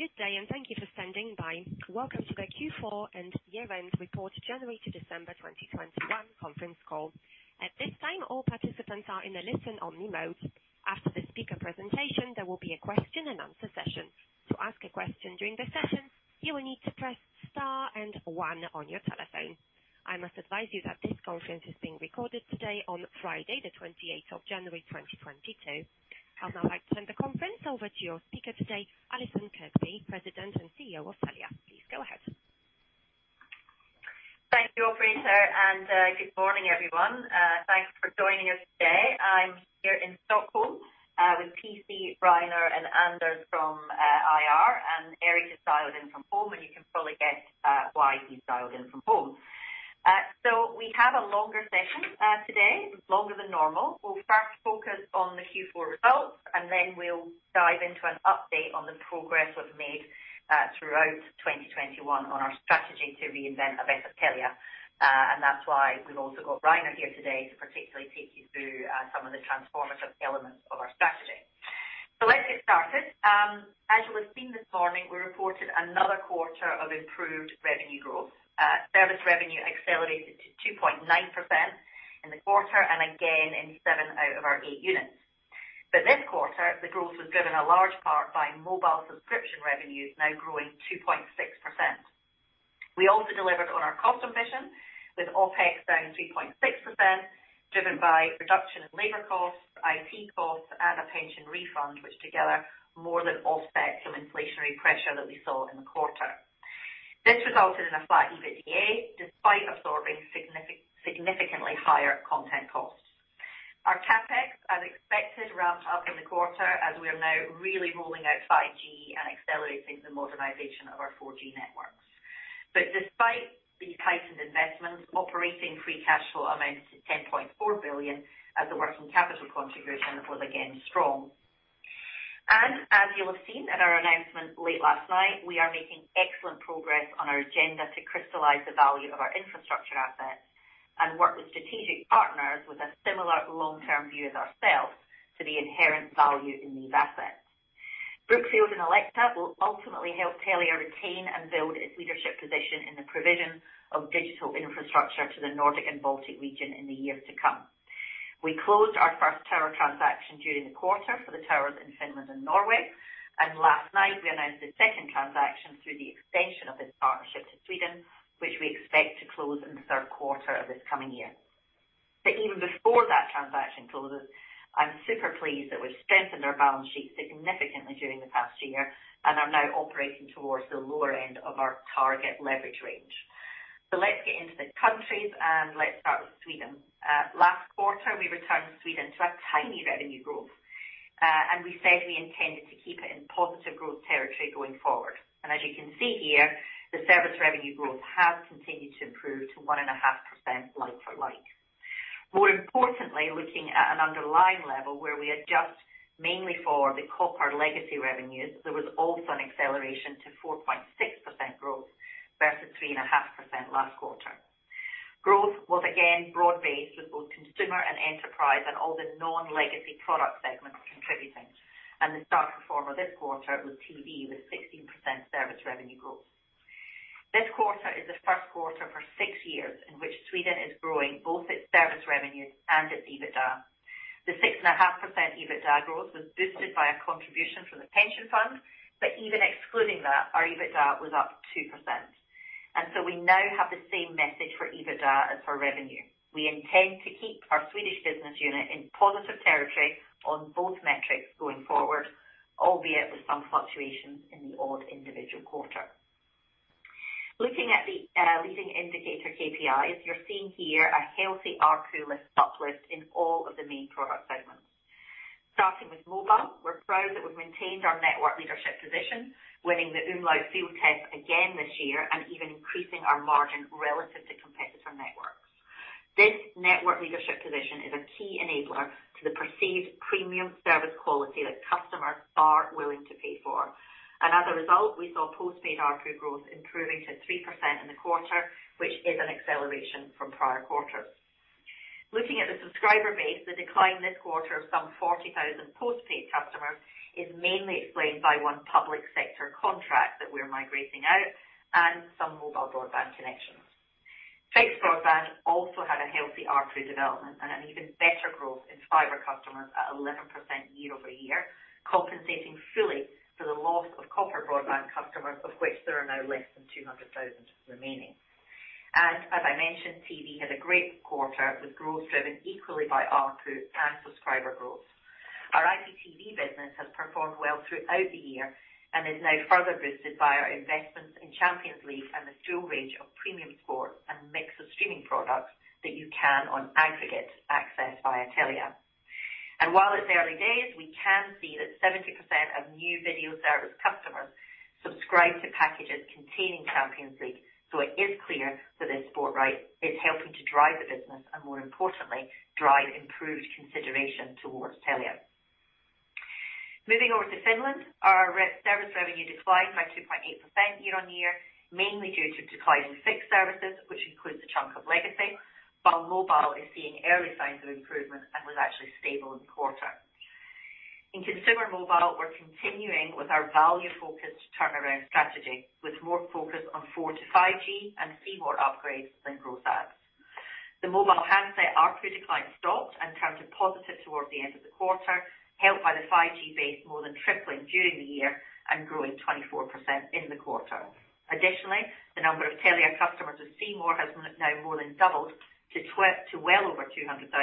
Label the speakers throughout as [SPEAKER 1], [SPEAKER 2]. [SPEAKER 1] Good day, and thank you for standing by. Welcome to the Q4 and year-end report, January to December 2021 conference call. At this time, all participants are in a listen-only mode. After the speaker presentation, there will be a question-and-answer session. To ask a question during the session, you will need to press star and one on your telephone. I must advise you that this conference is being recorded today on Friday, the 28th of January, 2022. I'd now like to turn the conference over to your speaker today, Allison Kirkby, President and CEO of Telia. Please go ahead.
[SPEAKER 2] Thank you, operator, and good morning, everyone. Thanks for joining us today. I'm here in Stockholm with PC, Rainer, and Anders from IR, and Erik is dialed in from home, and you can probably guess why he's dialed in from home. We have a longer session today, longer than normal. We'll first focus on the Q4 results, and then we'll dive into an update on the progress we've made throughout 2021 on our strategy to reinvent a better Telia. That's why we've also got Rainer here today to particularly take you through some of the transformative elements of our strategy. Let's get started. As you will have seen this morning, we reported another quarter of improved revenue growth. Service revenue accelerated to 2.9% in the quarter and again in seven out of our eight units. This quarter, the growth was driven in large part by mobile subscription revenues now growing 2.6%. We also delivered on our cost mission with OpEx down 3.6%, driven by reduction in labor costs, IT costs, and a pension refund, which together more than offset some inflationary pressure that we saw in the quarter. This resulted in a flat EBITDA, despite absorbing significantly higher content costs. Our CapEx, as expected, ramped up in the quarter as we are now really rolling out 5G and accelerating the modernization of our 4G networks. Despite these heightened investments, operating free cash flow amounted to 10.4 billion as the working capital contribution was again strong. As you'll have seen in our announcement late last night, we are making excellent progress on our agenda to crystallize the value of our infrastructure assets and work with strategic partners with a similar long-term view as ourselves to the inherent value in these assets. Brookfield and Alecta will ultimately help Telia retain and build its leadership position in the provision of digital infrastructure to the Nordic and Baltic region in the years to come. We closed our first tower transaction during the quarter for the towers in Finland and Norway. Last night, we announced a second transaction through the extension of this partnership to Sweden, which we expect to close in the third quarter of this coming year. Even before that transaction closes, I'm super pleased that we've strengthened our balance sheet significantly during the past year and are now operating towards the lower end of our target leverage range. Let's get into the countries, and let's start with Sweden. Last quarter, we returned Sweden to a tiny revenue growth. We said we intended to keep it in positive growth territory going forward. As you can see here, the service revenue growth has continued to improve to 1.5% like for like. More importantly, looking at an underlying level where we adjust mainly for the copper legacy revenues, there was also an acceleration to 4.6% growth versus 3.5% last quarter. Growth was again broad-based with both consumer and enterprise and all the non-legacy product segments contributing. The star performer this quarter was TV with 16% service revenue growth. This quarter is the first quarter for six years in which Sweden is growing both its service revenues and its EBITDA. The 6.5% EBITDA growth was boosted by a contribution from the pension fund, but even excluding that, our EBITDA was up 2%. We now have the same message for EBITDA as for revenue. We intend to keep our Swedish business unit in positive territory on both metrics going forward, albeit with some fluctuations in the odd individual quarter. Looking at the leading indicator KPIs, you're seeing here a healthy ARPU uplift in all of the main product segments. Starting with mobile, we're proud that we've maintained our network leadership position, winning the umlaut field test again this year and even increasing our margin relative to competitor networks. This network leadership position is a key enabler to the perceived premium service quality that customers are willing to pay for. As a result, we saw postpaid ARPU growth improving to 3% in the quarter, which is an acceleration from prior quarters. Looking at the subscriber base, the decline this quarter of some 40,000 postpaid customers is mainly explained by one public sector contract that we're migrating out and some mobile broadband connections. Fixed broadband also had a healthy ARPU development and an even better growth in fiber customers at 11% year-over-year, compensating fully for the loss of copper broadband customers, of which there are now less than 200,000 remaining. As I mentioned, TV had a great quarter, with growth driven equally by ARPU and subscriber growth. Our IPTV business has performed well throughout the year and is now further boosted by our investments in Champions League and the full range of premium sports and mix of streaming products that you can on aggregate access via Telia. While it's early days, we can see that 70% of new video service customers subscribe to packages containing Champions League. It is clear that this sport right is helping to drive the business and, more importantly, drive improved consideration towards Telia. Moving over to Finland, our service revenue declined by 2.8% year-over-year, mainly due to declining fixed services, which includes a chunk of legacy. While mobile is seeing early signs of improvement and was actually stable in the quarter. In consumer mobile, we're continuing with our value focus turnaround strategy with more focus on 4G-5G and C More upgrades than growth adds. The mobile handset ARPU decline stopped and turned to positive towards the end of the quarter, helped by the 5G base more than tripling during the year and growing 24% in the quarter. Additionally, the number of Telia customers with C More has now more than doubled to well over 200,000,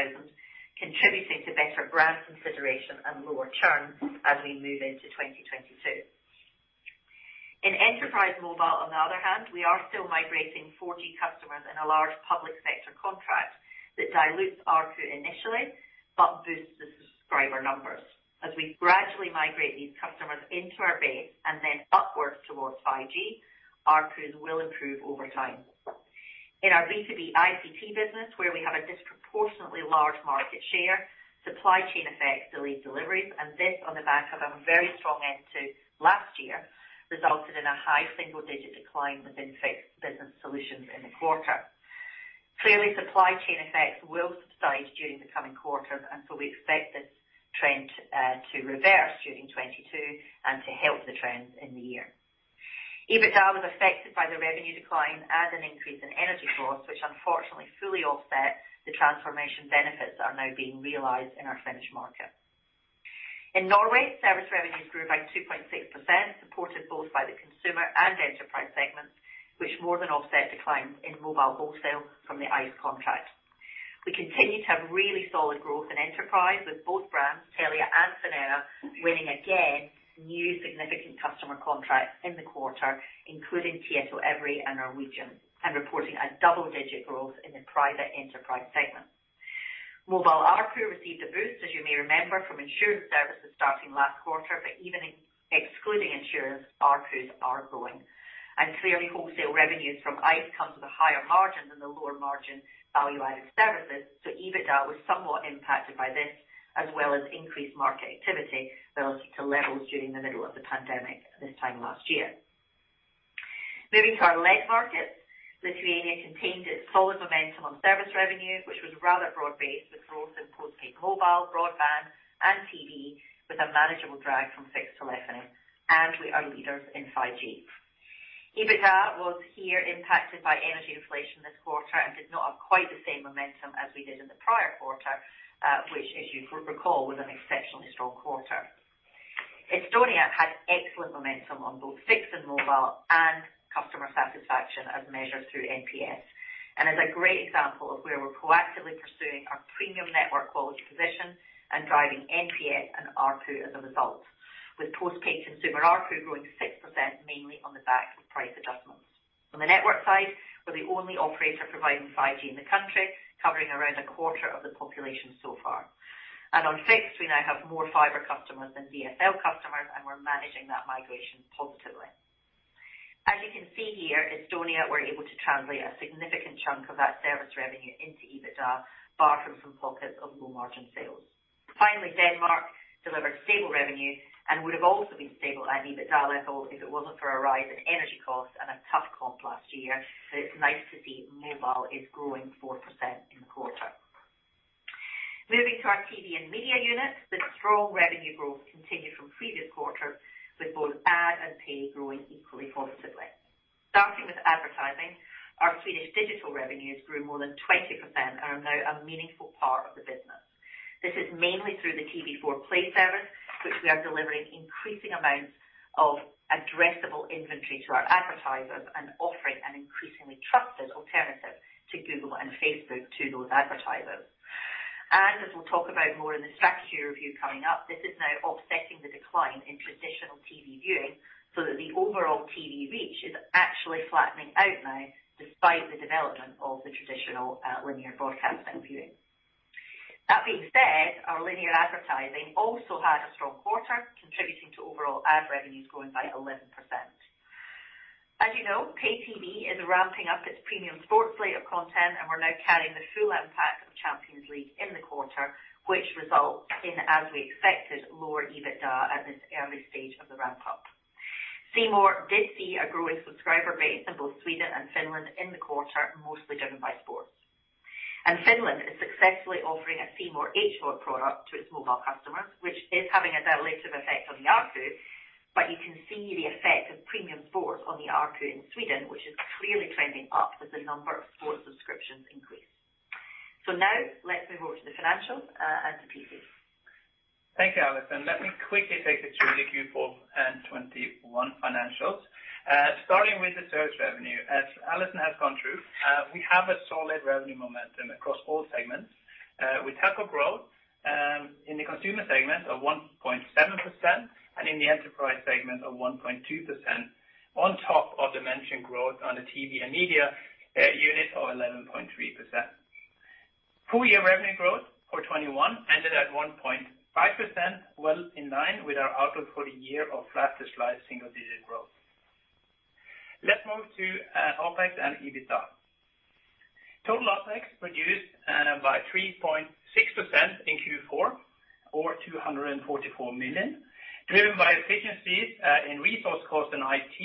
[SPEAKER 2] contributing to better brand consideration and lower churn as we move into 2022. In enterprise mobile on the other hand, we are still migrating 4G customers in a large public sector contract that dilutes ARPU initially, but boosts the subscriber numbers. As we gradually migrate these customers into our base and then upwards towards 5G, ARPUs will improve over time. In our B2B ICT business, where we have a disproportionately large market share, supply chain effects delayed deliveries, and this on the back of a very strong end to last year, resulted in a high single-digit decline within fixed business solutions in the quarter. Clearly, supply chain effects will subside during the coming quarters, and so we expect this trend to reverse during 2022 and to help the trends in the year. EBITDA was affected by the revenue decline and an increase in energy costs, which unfortunately fully offset the transformation benefits that are now being realized in our Finnish market. In Norway, service revenues grew by 2.6%, supported both by the consumer and enterprise segments, which more than offset decline in mobile wholesale from the ICE contract. We continue to have really solid growth in enterprise with both brands, Telia and Sonera, winning again new significant customer contracts in the quarter, including Tietoevry and Norwegian, and reporting a double-digit growth in the private enterprise segment. Mobile ARPU received a boost, as you may remember, from insurance services starting last quarter, but even in, excluding insurance, ARPUs are growing. Clearly, wholesale revenues from ICE come with a higher margin than the lower margin value-added services, so EBITDA was somewhat impacted by this, as well as increased market activity relative to levels during the middle of the pandemic this time last year. Moving to our lead markets, Lithuania contained its solid momentum on service revenue, which was rather broad-based, with growth in postpay mobile, broadband, and TV, with a manageable drag from fixed telephony, and we are leaders in 5G. EBITDA was here impacted by energy inflation this quarter and did not have quite the same momentum as we did in the prior quarter, which as you could recall, was an exceptionally strong quarter. Estonia had excellent momentum on both fixed and mobile and customer satisfaction as measured through NPS, and is a great example of where we're proactively pursuing our premium network quality position and driving NPS and ARPU as a result, with postpaid consumer ARPU growing 6% mainly on the back of price adjustments. On the network side, we're the only operator providing 5G in the country, covering around a quarter of the population so far. On fixed, we now have more fiber customers than DSL customers, and we're managing that migration positively. As you can see here, Estonia were able to translate a significant chunk of that service revenue into EBITDA, bar from some pockets of low-margin sales. Finally, Denmark delivered stable revenue and would have also been stable at an EBITDA level if it wasn't for a rise in energy costs and a tough comp last year. It's nice to see mobile is growing 4% in the quarter. Moving to our TV and Media unit, the strong revenue growth continued from previous quarter, with both ad and pay growing equally positively. Starting with advertising, our Swedish digital revenues grew more than 20% and are now a meaningful part of the business. This is mainly through the TV4 Play service, which we are delivering increasing amounts of addressable inventory to our advertisers and offering an increasingly trusted alternative to Google and Facebook to those advertisers. As we'll talk about more in the strategy review coming up, this is now offsetting the decline in traditional TV viewing so that the overall TV reach is actually flattening out now despite the development of the traditional linear broadcasting viewing. That being said, our linear advertising also had a strong quarter, contributing to overall ad revenues growing by 11%. As you know, pay TV is ramping up its premium sports slate of content, and we're now carrying the full impact of Champions League in the quarter, which results in, as we expected, lower EBITDA at this early stage of the ramp up. C More did see a growing subscriber base in both Sweden and Finland in the quarter, mostly driven by sports. Finland is successfully offering a C More HBO product to its mobile customers, which is having a dilutive effect on the ARPU, but you can see the effect of premium sports on the ARPU in Sweden, which is clearly trending up as the number of sports subscriptions increase. Now let's move over to the financials, and to PC.
[SPEAKER 3] Thank you, Allison. Let me quickly take you through the Q4 2021 financials. Starting with the service revenue. As Allison has gone through, we have a solid revenue momentum across all segments, with 1% growth in the consumer segment of 1.7% and in the enterprise segment of 1.2% on top of the mentioned growth on the TV and media unit of 11.3%. Full-year revenue growth for 2021 ended at 1.5%, well in line with our outlook for the year of flat to slight single-digit growth. Let's move to OpEx and EBITDA. Total OpEx reduced by 3.6% in Q4 or 244 million, driven by efficiencies in resource costs and IT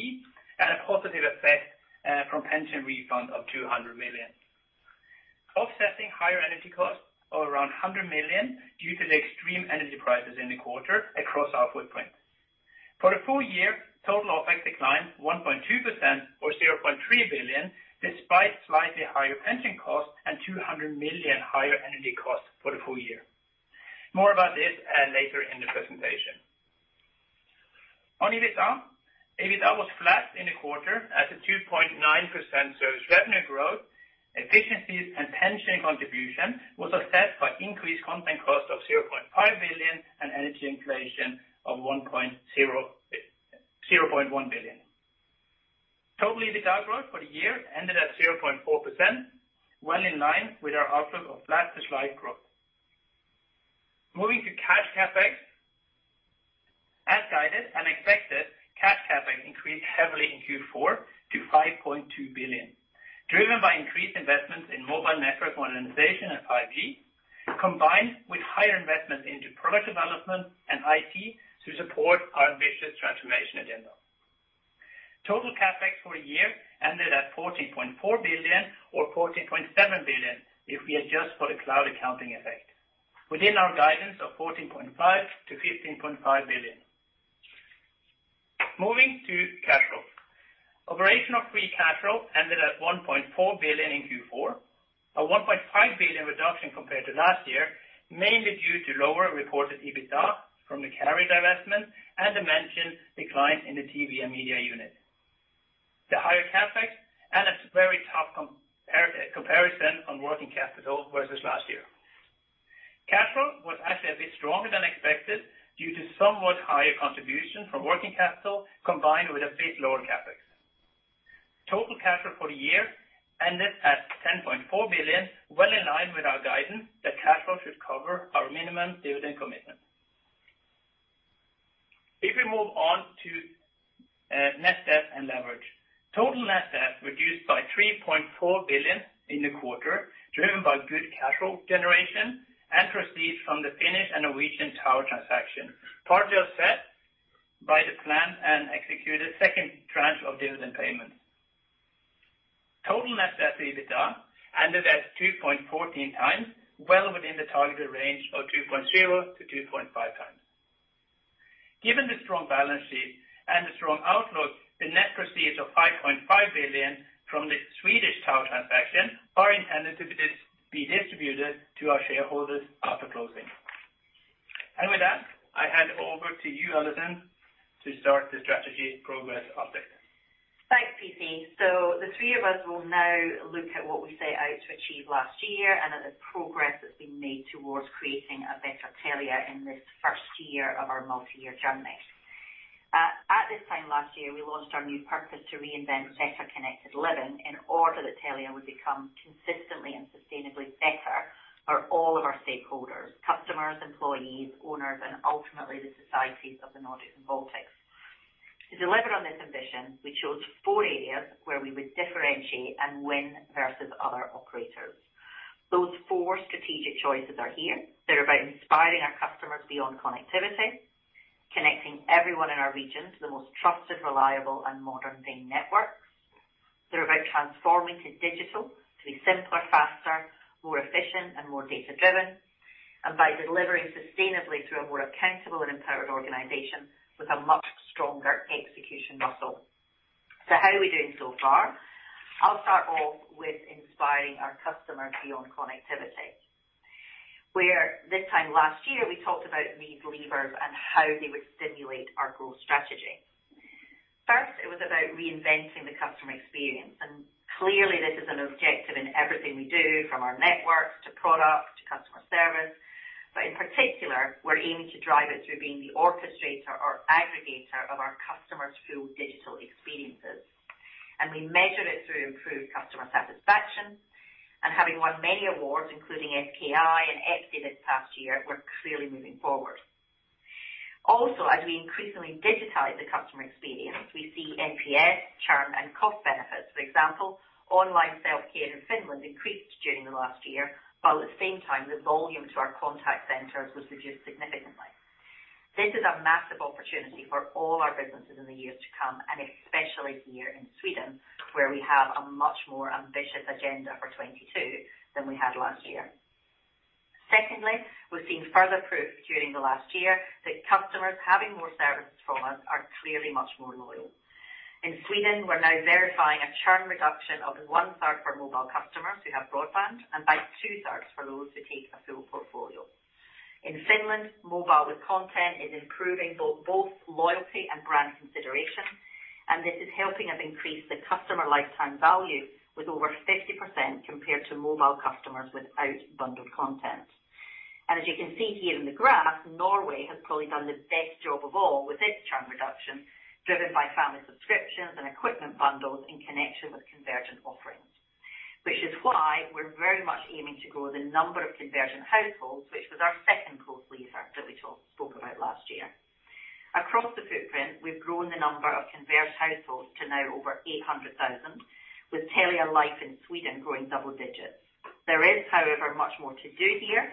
[SPEAKER 3] and a positive effect from pension refund of 200 million. Offsetting higher energy costs of around 100 million due to the extreme energy prices in the quarter across our footprint. For the full year, total OpEx declined 1.2% or 0.3 billion, despite slightly higher pension costs and 200 million higher energy costs for the full year. More about this later in the presentation. On EBITDA was flat in the quarter at a 2.9% service revenue growth. Efficiencies and pension contribution was offset by increased content cost of 0.5 billion and energy inflation of zero point one billion. Total EBITDA growth for the year ended at 0.4%, well in line with our outlook of flat to slight growth. Moving to cash CapEx. As guided and expected, cash CapEx increased heavily in Q4 to 5.2 billion, driven by increased investments in mobile network modernization and 5G, combined with higher investments into product development and IT to support our ambitious transformation agenda. Total CapEx for a year ended at 14.4 billion or 14.7 billion if we adjust for the cloud accounting effect, within our guidance of 14.5 billion-15.5 billion. Moving to cash flow. Operational free cash flow ended at 1.4 billion in Q4, a 1.5 billion reduction compared to last year, mainly due to lower reported EBITDA from the carrier divestment and the mentioned decline in the TV and media unit. The higher CapEx and a very tough comparison on working capital versus last year. Cash flow was actually a bit stronger than expected due to somewhat higher contribution from working capital combined with a bit lower CapEx. Total cash flow for the year ended at 10.4 billion, well in line with our guidance that cash flow should cover our minimum dividend commitment. If we move on to net debt and leverage. Total net debt reduced by 3.4 billion in the quarter, driven by good cash flow generation and proceeds from the Finnish and Norwegian tower transaction, partly offset by the planned and executed second tranche of dividend payments. Total net debt to EBITDA ended at 2.14x, well within the targeted range of 2.0x-2.5x. Given the strong balance sheet and the strong outlook, the net proceeds of 5.5 billion from the Swedish tower transaction are intended to be distributed to our shareholders after closing. With that, I hand over to you, Allison, to start the strategy progress update.
[SPEAKER 2] Thanks, PC. The three of us will now look at what we set out to achieve last year and at the progress that's been made towards creating a better Telia in this first year of our multi-year journey. At this time last year, we launched our new purpose to reinvent better connected living in order that Telia would become consistently and sustainably better for all of our stakeholders, customers, employees, owners, and ultimately the societies of the Nordics and Baltics. To deliver on this ambition, we chose four areas where we would differentiate and win versus other operators. Those four strategic choices are here. They're about inspiring our customers beyond connectivity, connecting everyone in our region to the most trusted, reliable, and modern day networks. They're about transforming to digital to be simpler, faster, more efficient, and more data-driven, and by delivering sustainably through a more accountable and empowered organization with a much stronger execution muscle. How are we doing so far? I'll start off with inspiring our customers beyond connectivity. Where this time last year, we talked about these levers and how they would stimulate our growth strategy. First, it was about reinventing the customer experience, and clearly this is an objective in everything we do from our networks to product to customer service. In particular, we're aiming to drive it through being the orchestrator or aggregator of our customers through digital experiences. We measure it through improved customer satisfaction. Having won many awards, including EPSI and SKI this past year, we're clearly moving forward. Also, as we increasingly digitize the customer experience, we see NPS, churn, and cost benefits. For example, online self-care in Finland increased during the last year, while at the same time the volume to our contact centers was reduced significantly. This is a massive opportunity for all our businesses in the years to come, and especially here in Sweden, where we have a much more ambitious agenda for 2022 than we had last year. Secondly, we've seen further proof during the last year that customers having more services from us are clearly much more loyal. In Sweden, we're now verifying a churn reduction of one-third for mobile customers who have broadband and by two-thirds for those who take a full portfolio. In Finland, mobile with content is improving both loyalty and brand consideration, and this is helping us increase the customer lifetime value with over 50% compared to mobile customers without bundled content. As you can see here in the graph, Norway has probably done the best job of all with its churn reduction, driven by family subscriptions and equipment bundles in connection with convergent offerings. Which is why we're very much aiming to grow the number of convergent households, which was our second growth lever that we spoke about last year. Across the footprint, we've grown the number of converged households to now over 800,000, with Telia Life in Sweden growing double digits. There is, however, much more to do here.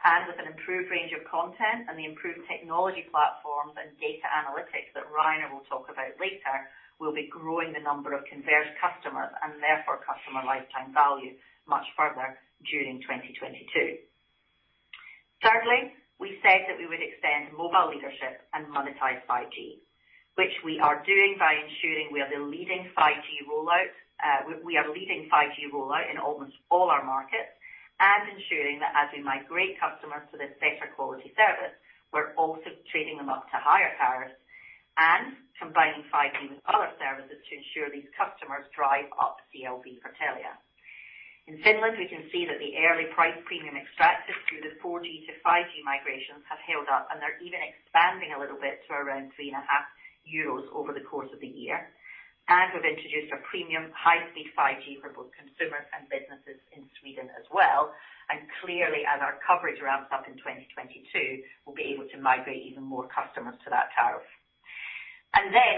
[SPEAKER 2] With an improved range of content and the improved technology platforms and data analytics that Rainer will talk about later, we'll be growing the number of converged customers and therefore customer lifetime value much further during 2022. Thirdly, we said that we would extend mobile leadership and monetize 5G, which we are doing by ensuring we are the leading 5G rollout in almost all our markets and ensuring that as we migrate customers to this better quality service, we're also trading them up to higher tariffs and combining 5G with other services to ensure these customers drive up CLV for Telia. In Finland, we can see that the early price premium extracted through the 4G-5G migrations have held up, and they're even expanding a little bit to around 3.5 euros over the course of the year. We've introduced our premium high-speed 5G for both consumers and businesses in Sweden as well. Clearly, as our coverage ramps up in 2022, we'll be able to migrate even more customers to that tariff.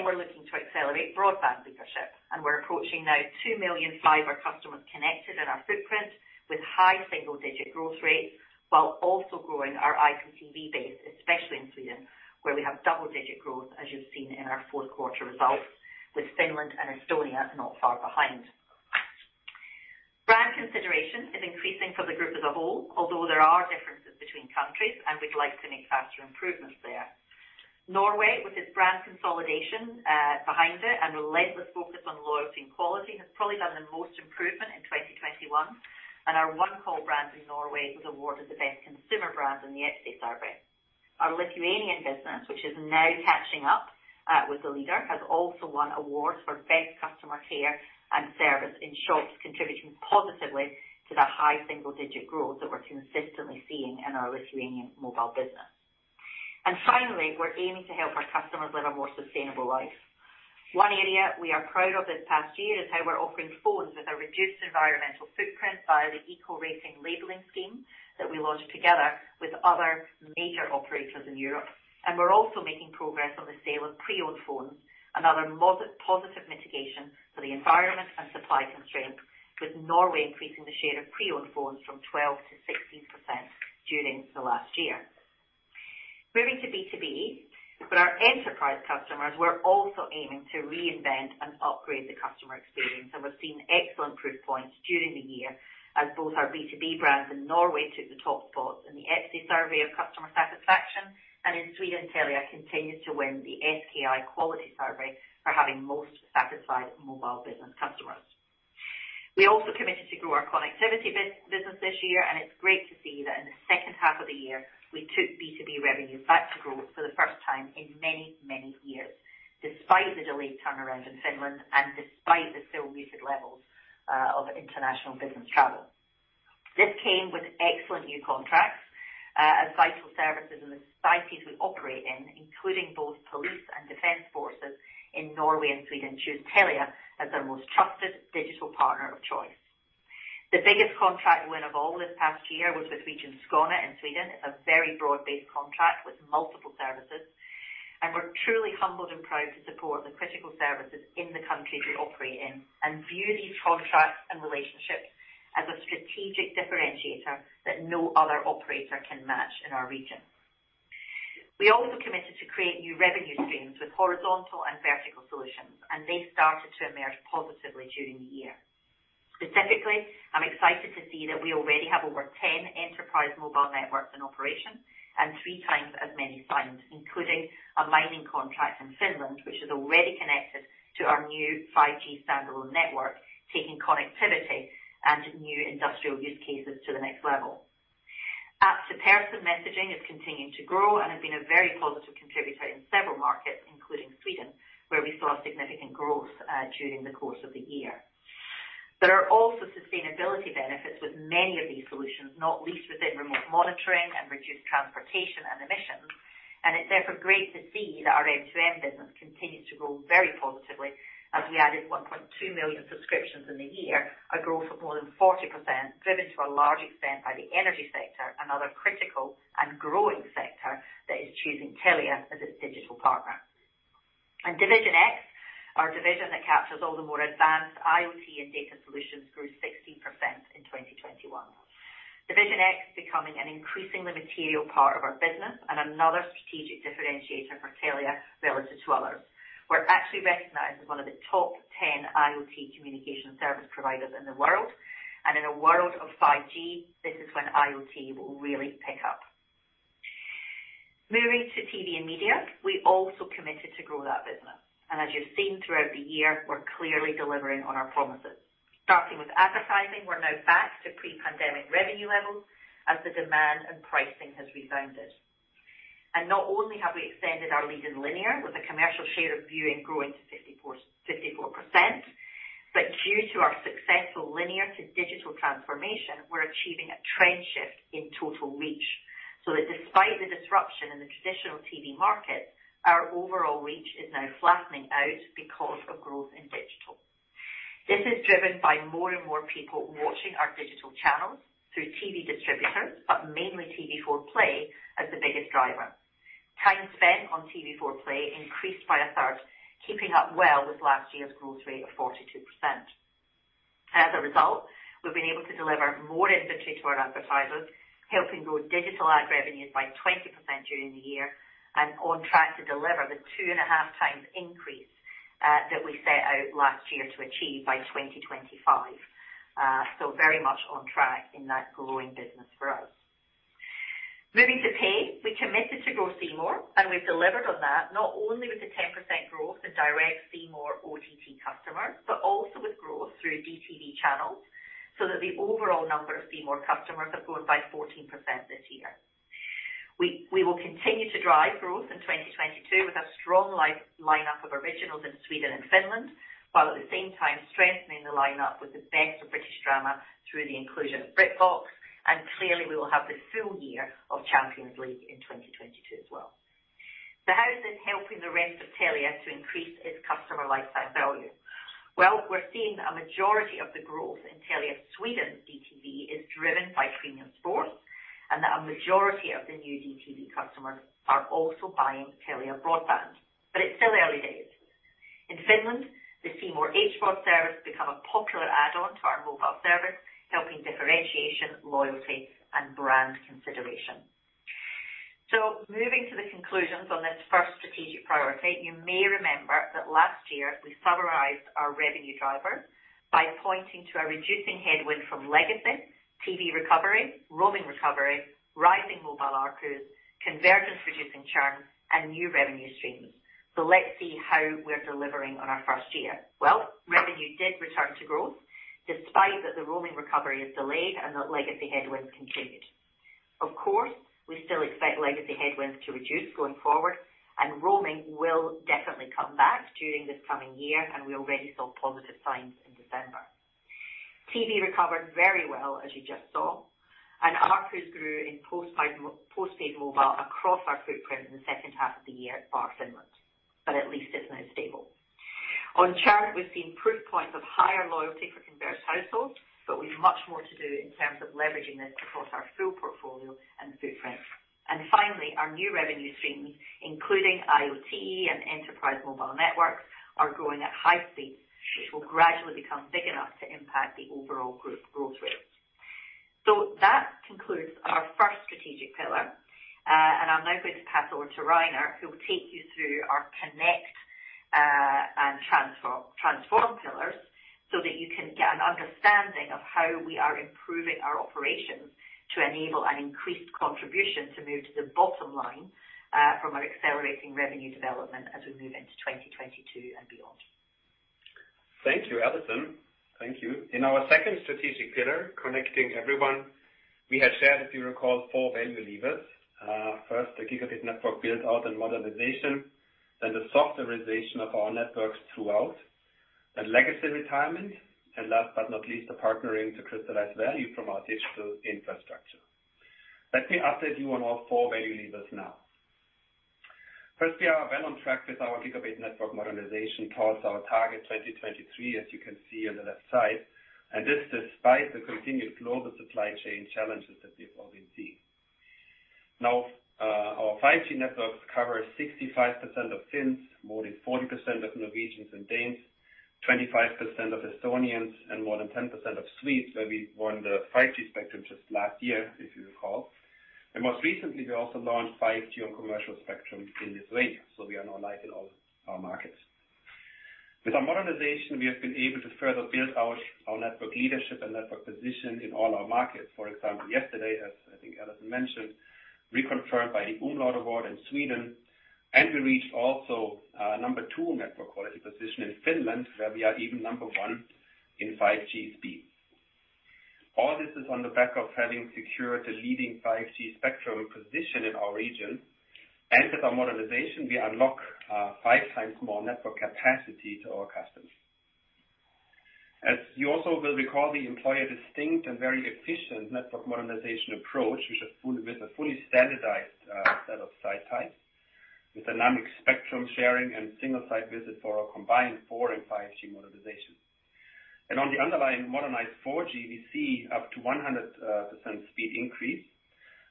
[SPEAKER 2] We're looking to accelerate broadband leadership, and we're approaching now 2 million fiber customers connected in our footprint with high single-digit growth rates while also growing our IPTV base, especially in Sweden, where we have double-digit growth, as you've seen in our fourth quarter results, with Finland and Estonia not far behind. Brand consideration is increasing for the group as a whole, although there are differences between countries, and we'd like to make faster improvements there. Norway, with its brand consolidation behind it and relentless focus on loyalty and quality, has probably done the most improvement in 2021, and our OneCall brand in Norway was awarded the best consumer brand in the EPSI survey. Our Lithuanian business, which is now catching up with the leader, has also won awards for best customer care and service in shops, contributing positively to the high single-digit growth that we're consistently seeing in our Lithuanian mobile business. Finally, we're aiming to help our customers live a more sustainable life. One area we are proud of this past year is how we're offering phones with a reduced environmental footprint via the Eco Rating labeling scheme that we launched together with other major operators in Europe. We're also making progress on the sale of pre-owned phones, another positive mitigation for the environment and supply constraints, with Norway increasing the share of pre-owned phones from 12% to 16% during the last year. Moving to B2B. For our enterprise customers, we're also aiming to reinvent and upgrade the customer experience, and we're seeing excellent proof points during the year as both our B2B brands in Norway took the top spots in the EPSI survey of customer satisfaction, and in Sweden, Telia continues to win the SKI quality survey for having most satisfied mobile business customers. We also committed to grow our connectivity business this year, and it's great to see that in the second half of the year, we took B2B revenue back to growth for the first time in many, many years, despite the delayed turnaround in Finland and despite the still muted levels of international business travel. This came with excellent new contracts as vital services in the societies we operate in, including both police and defense forces in Norway and Sweden, choose Telia as their most trusted digital partner of choice. The biggest contract win of all this past year was with Region Skåne in Sweden. It's a very broad-based contract with multiple services, and we're truly humbled and proud to support the critical services in the countries we operate in and view these contracts and relationships as a strategic differentiator that no other operator can match in our region. We also committed to create new revenue streams with horizontal and vertical solutions, and they started to emerge positively during the year. Specifically, I'm excited to see that we already have over 10 enterprise mobile networks in operation and three times as many signed, including a mining contract in Finland, which is already connected to our new 5G standalone network, taking connectivity and new industrial use cases to the next level. App-to-person messaging is continuing to grow and has been a very positive contributor in several markets, including Sweden, where we saw significant growth during the course of the year. There are also sustainability benefits with many of these solutions, not least within remote monitoring and reduced transportation and emissions. It's therefore great to see that our M2M business continues to grow very positively as we added 1.2 million subscriptions in the year, a growth of more than 40%, driven to a large extent by the energy sector, another critical and growing sector that is choosing Telia as its digital partner. Division X, our division that captures all the more advanced IoT and data solutions, grew 16% in 2021. Division X is becoming an increasingly material part of our business and another strategic differentiator for Telia relative to others. We're actually recognized as one of the top 10 IoT communication service providers in the world, and in a world of 5G, this is when IoT will really pick up. Moving to TV and media, we also committed to grow that business. As you've seen throughout the year, we're clearly delivering on our promises. Starting with advertising, we're now back to pre-pandemic revenue levels as the demand and pricing has rebounded. Not only have we extended our lead in linear with the commercial share of viewing growing to 54%, but due to our successful linear to digital transformation, we're achieving a trend shift in total reach, so that despite the disruption in the traditional TV market, our overall reach is now flattening out because of growth in digital. This is driven by more and more people watching our digital channels through TV distributors, but mainly TV4 Play as the biggest driver. Time spent on TV4 Play increased by a third, keeping up well with last year's growth rate of 42%. As a result, we've been able to deliver more inventory to our advertisers, helping grow digital ad revenues by 20% during the year and on track to deliver the 2.5x increase that we set out last year to achieve by 2025. Very much on track in that growing business for us. Moving to pay, we committed to grow C More, and we've delivered on that, not only with the 10% growth in direct C More OTT customers, but also with growth through DTV channels, so that the overall number of C More customers have grown by 14% this year. We will continue to drive growth in 2022 with a strong lineup of originals in Sweden and Finland, while at the same time strengthening the lineup with the best of British drama through the inclusion of BritBox, and clearly, we will have the full year of Champions League in 2022 as well. How is this helping the rest of Telia to increase its customer lifetime value? Well, we're seeing that a majority of the growth in Telia Sweden's DTV is driven by premium sports, and that a majority of the new DTV customers are also buying Telia broadband, but it's still early days. In Finland, the C More HBO service becomes a popular add-on to our mobile service, helping differentiation, loyalty, and brand consideration. Moving to the conclusions on this first strategic priority, you may remember that last year we summarized our revenue drivers by pointing to a reducing headwind from legacy, TV recovery, roaming recovery, rising mobile ARPU, convergence reducing churn, and new revenue streams. Let's see how we're delivering on our first year. Well, revenue did return to growth despite that the roaming recovery is delayed and that legacy headwinds continued. Of course, we still expect legacy headwinds to reduce going forward, and roaming will definitely come back during this coming year, and we already saw positive signs in December. TV recovered very well, as you just saw, and ARPU grew in post-paid mobile across our footprint in the second half of the year bar Finland. At least it's now stable. On churn, we've seen proof points of higher loyalty for converged households, but we've much more to do in terms of leveraging this across our full portfolio and footprint. Finally, our new revenue streams, including IoT and enterprise mobile networks, are growing at high speeds, which will gradually become big enough to impact the overall group growth rates. That concludes our first strategic pillar, and I'm now going to pass over to Rainer, who will take you through our connect and transform pillars so that you can get an understanding of how we are improving our operations to enable an increased contribution to move to the bottom line from our accelerating revenue development as we move into 2022 and beyond.
[SPEAKER 4] Thank you, Allison. Thank you. In our second strategic pillar, connecting everyone, we had shared, if you recall, four value levers. First, the gigabit network build out and modernization, then the softwarization of our networks throughout, and legacy retirement, and last but not least, the partnering to crystallize value from our digital infrastructure. Let me update you on all four value levers now. First, we are well on track with our gigabit network modernization towards our target 2023, as you can see on the left side. This despite the continued global supply chain challenges that we have already seen. Now, our 5G networks cover 65% of Finns, more than 40% of Norwegians and Danes, 25% of Estonians, and more than 10% of Swedes, where we won the 5G spectrum just last year, if you recall. Most recently, we also launched 5G on commercial spectrum in Lithuania, so we are now live in all our markets. With our modernization, we have been able to further build out our network leadership and network position in all our markets. For example, yesterday, as I think Allison mentioned, reconfirmed by the umlaut Award in Sweden, and we reached also number 2 network quality position in Finland, where we are even number 1 in 5G speed. All this is on the back of having secured a leading 5G spectrum position in our region. With our modernization, we unlock 5x more network capacity to our customers. As you also will recall, we employ a distinct and very efficient network modernization approach, which is fully standardized with a set of site types with dynamic spectrum sharing and single site visit for a combined 4G and 5G modernization. On the underlying modernized 4G, we see up to 100% speed increase.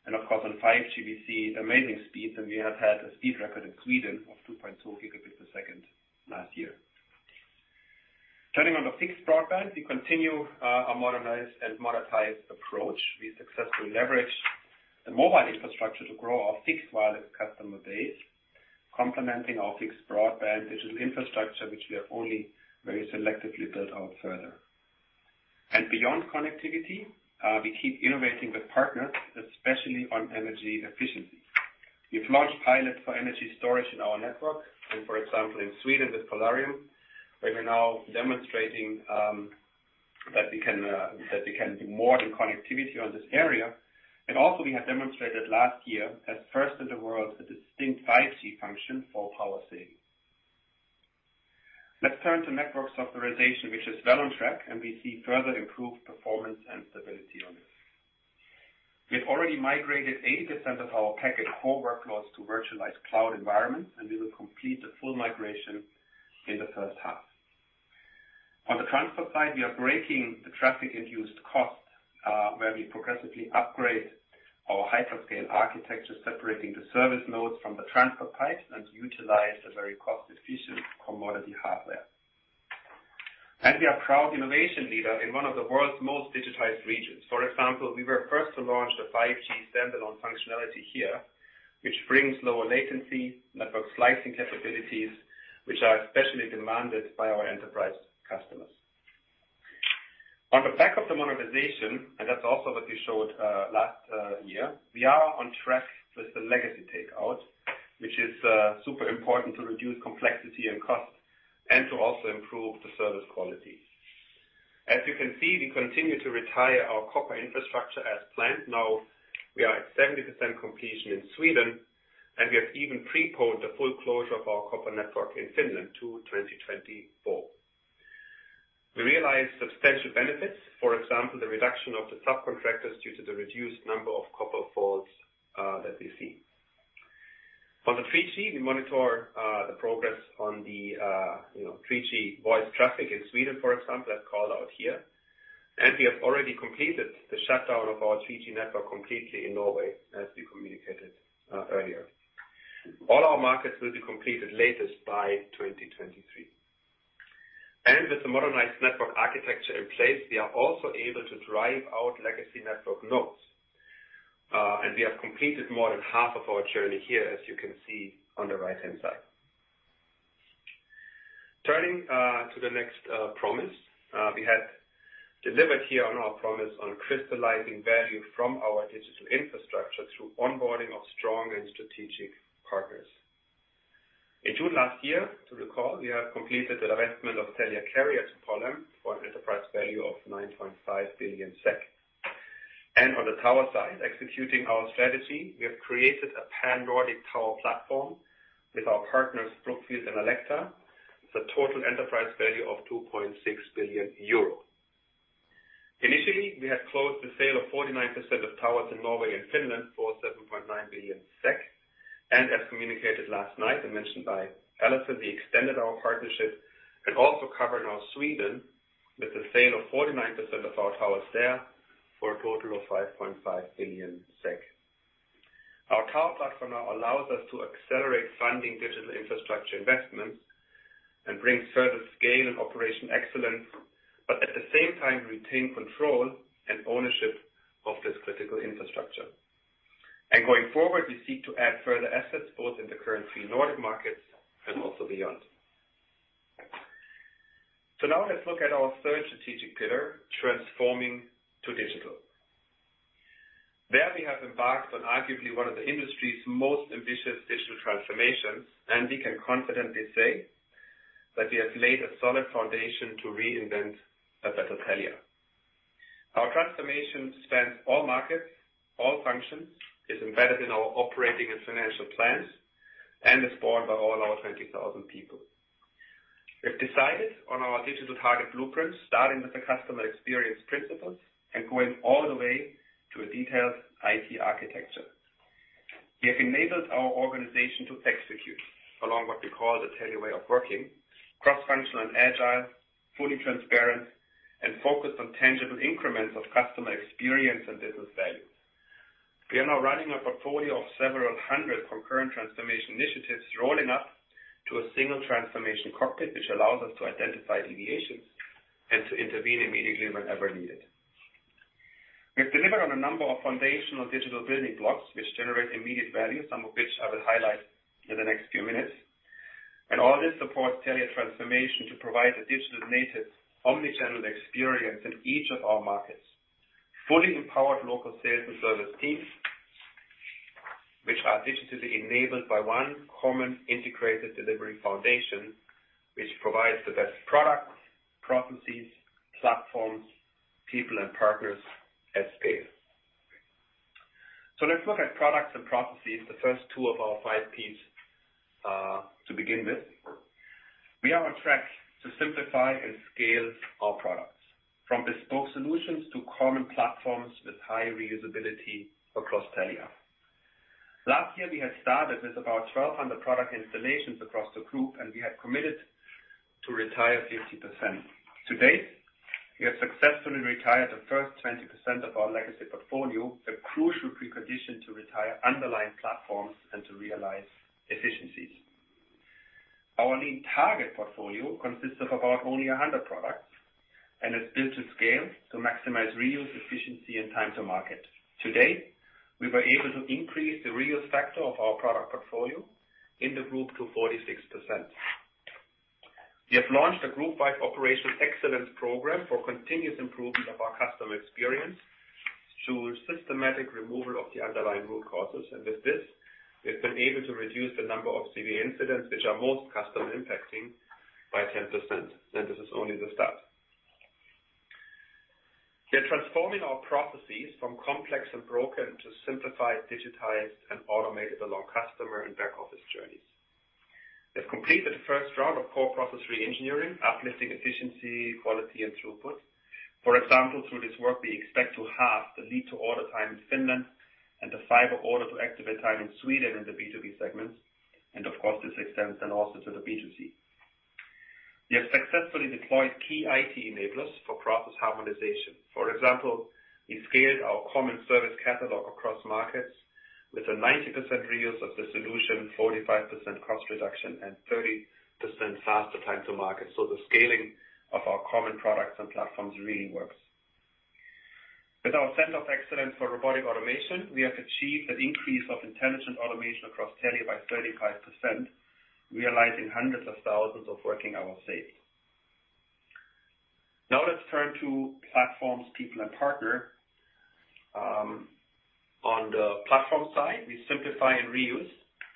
[SPEAKER 4] Of course, on 5G, we see amazing speeds, and we have had a speed record in Sweden of 2.2 gigabits per second last year. Turning to the fixed broadband, we continue our modernized and monetized approach. We successfully leverage the mobile infrastructure to grow our fixed wireless customer base, complementing our fixed broadband digital infrastructure, which we have only very selectively built out further. Beyond connectivity, we keep innovating with partners, especially on energy efficiency. We've launched pilots for energy storage in our network and, for example, in Sweden with Polarium, where we're now demonstrating that we can do more than connectivity on this area. We have demonstrated last year, as first in the world, a distinct 5G function for power saving. Let's turn to network softwarization, which is well on track, and we see further improved performance and stability on this. We've already migrated 80% of our packet core workloads to virtualized cloud environments, and we will complete the full migration in the first half. On the transport side, we are breaking the traffic induced costs, where we progressively upgrade our hyperscale architecture, separating the service nodes from the transport pipe and utilize a very cost-efficient commodity hardware. We are a proud innovation leader in one of the world's most digitized regions. For example, we were first to launch the 5G standalone functionality here, which brings lower latency, network slicing capabilities, which are especially demanded by our enterprise customers. On the back of the monetization, and that's also what we showed last year, we are on track with the legacy take out, which is super important to reduce complexity and cost and to also improve the service quality. As you can see, we continue to retire our copper infrastructure as planned. Now we are at 70% completion in Sweden, and we have even preponed the full closure of our copper network in Finland to 2024. We realize substantial benefits, for example, the reduction of the subcontractors due to the reduced number of copper faults that we see. On the 3G, we monitor the progress on the, you know, 3G voice traffic in Sweden, for example, I called out here, and we have already completed the shutdown of our 3G network completely in Norway, as we communicated earlier. All our markets will be completed latest by 2023. With the modernized network architecture in place, we are also able to drive out legacy network nodes. We have completed more than half of our journey here, as you can see on the right-hand side. Turning to the next promise we had delivered here on our promise on crystallizing value from our digital infrastructure through onboarding of strong and strategic partners. In June last year, to recall, we had completed the divestment of Telia Carrier to Polhem for an enterprise value of 9.5 billion SEK. On the tower side, executing our strategy, we have created a Pan-Nordic tower platform with our partners, Brookfield and Alecta. It's a total enterprise value of 2.6 billion euro. Initially, we had closed the sale of 49% of towers in Norway and Finland for 7.9 billion SEK. As communicated last night and mentioned by Allison, we extended our partnership and also covering our Swedish with the sale of 49% of our towers there for a total of 5.5 billion SEK. Our tower platform now allows us to accelerate funding digital infrastructure investments and bring further scale and operational excellence, but at the same time, retain control and ownership of this critical infrastructure. Going forward, we seek to add further assets both in the current three Nordic markets and also beyond. Now let's look at our third strategic pillar, transforming to digital. There we have embarked on arguably one of the industry's most ambitious digital transformations, and we can confidently say that we have laid a solid foundation to reinvent a better Telia. Our transformation spans all markets, all functions, is embedded in our operating and financial plans, and is born by all our 20,000 people. We've decided on our digital target blueprint, starting with the customer experience principles and going all the way to a detailed IT architecture. We have enabled our organization to execute along what we call the Telia Way of Working, cross-functional and agile, fully transparent, and focused on tangible increments of customer experience and business value. We are now running a portfolio of several hundred concurrent transformation initiatives, rolling up to a single transformation cockpit, which allows us to identify deviations and to intervene immediately whenever needed. We've delivered on a number of foundational digital building blocks which generate immediate value, some of which I will highlight in the next few minutes. All this supports Telia transformation to provide a digital native omnichannel experience in each of our markets, fully empowered local sales and service teams, which are digitally enabled by one common integrated delivery foundation, which provides the best products, processes, platforms, people, and partners at scale. Let's look at products and processes, the first two of our five Ps, to begin with. We are on track to simplify and scale our products from bespoke solutions to common platforms with high reusability across Telia. Last year, we had started with about 1,200 product installations across the group, and we had committed to retire 50%. To date, we have successfully retired the first 20% of our legacy portfolio, a crucial precondition to retire underlying platforms and to realize efficiencies. Our lean target portfolio consists of about only 100 products and is built to scale to maximize reuse efficiency and time to market. Today, we were able to increase the reuse factor of our product portfolio in the group to 46%. We have launched a group-wide operational excellence program for continuous improvement of our customer experience through systematic removal of the underlying root causes. With this, we've been able to reduce the number of CVM incidents which are most customer impacting by 10%, and this is only the start. We are transforming our processes from complex and broken to simplified, digitized, and automated along customer and back office journeys. We've completed the first round of core process reengineering, uplifting efficiency, quality, and throughput. For example, through this work, we expect to halve the lead to order time in Finland and the fiber order to activate time in Sweden in the B2B segments. Of course, this extends then also to the B2C. We have successfully deployed key IT enablers for process harmonization. For example, we scaled our common service catalog across markets. With a 90% reuse of the solution, 45% cost reduction, and 30% faster time to market. The scaling of our common products and platforms really works. With our center of excellence for robotic automation, we have achieved an increase of intelligent automation across Telia by 35%, realizing hundreds of thousands of working hours saved. Now let's turn to platforms, people and partner. On the platform side, we simplify and reuse,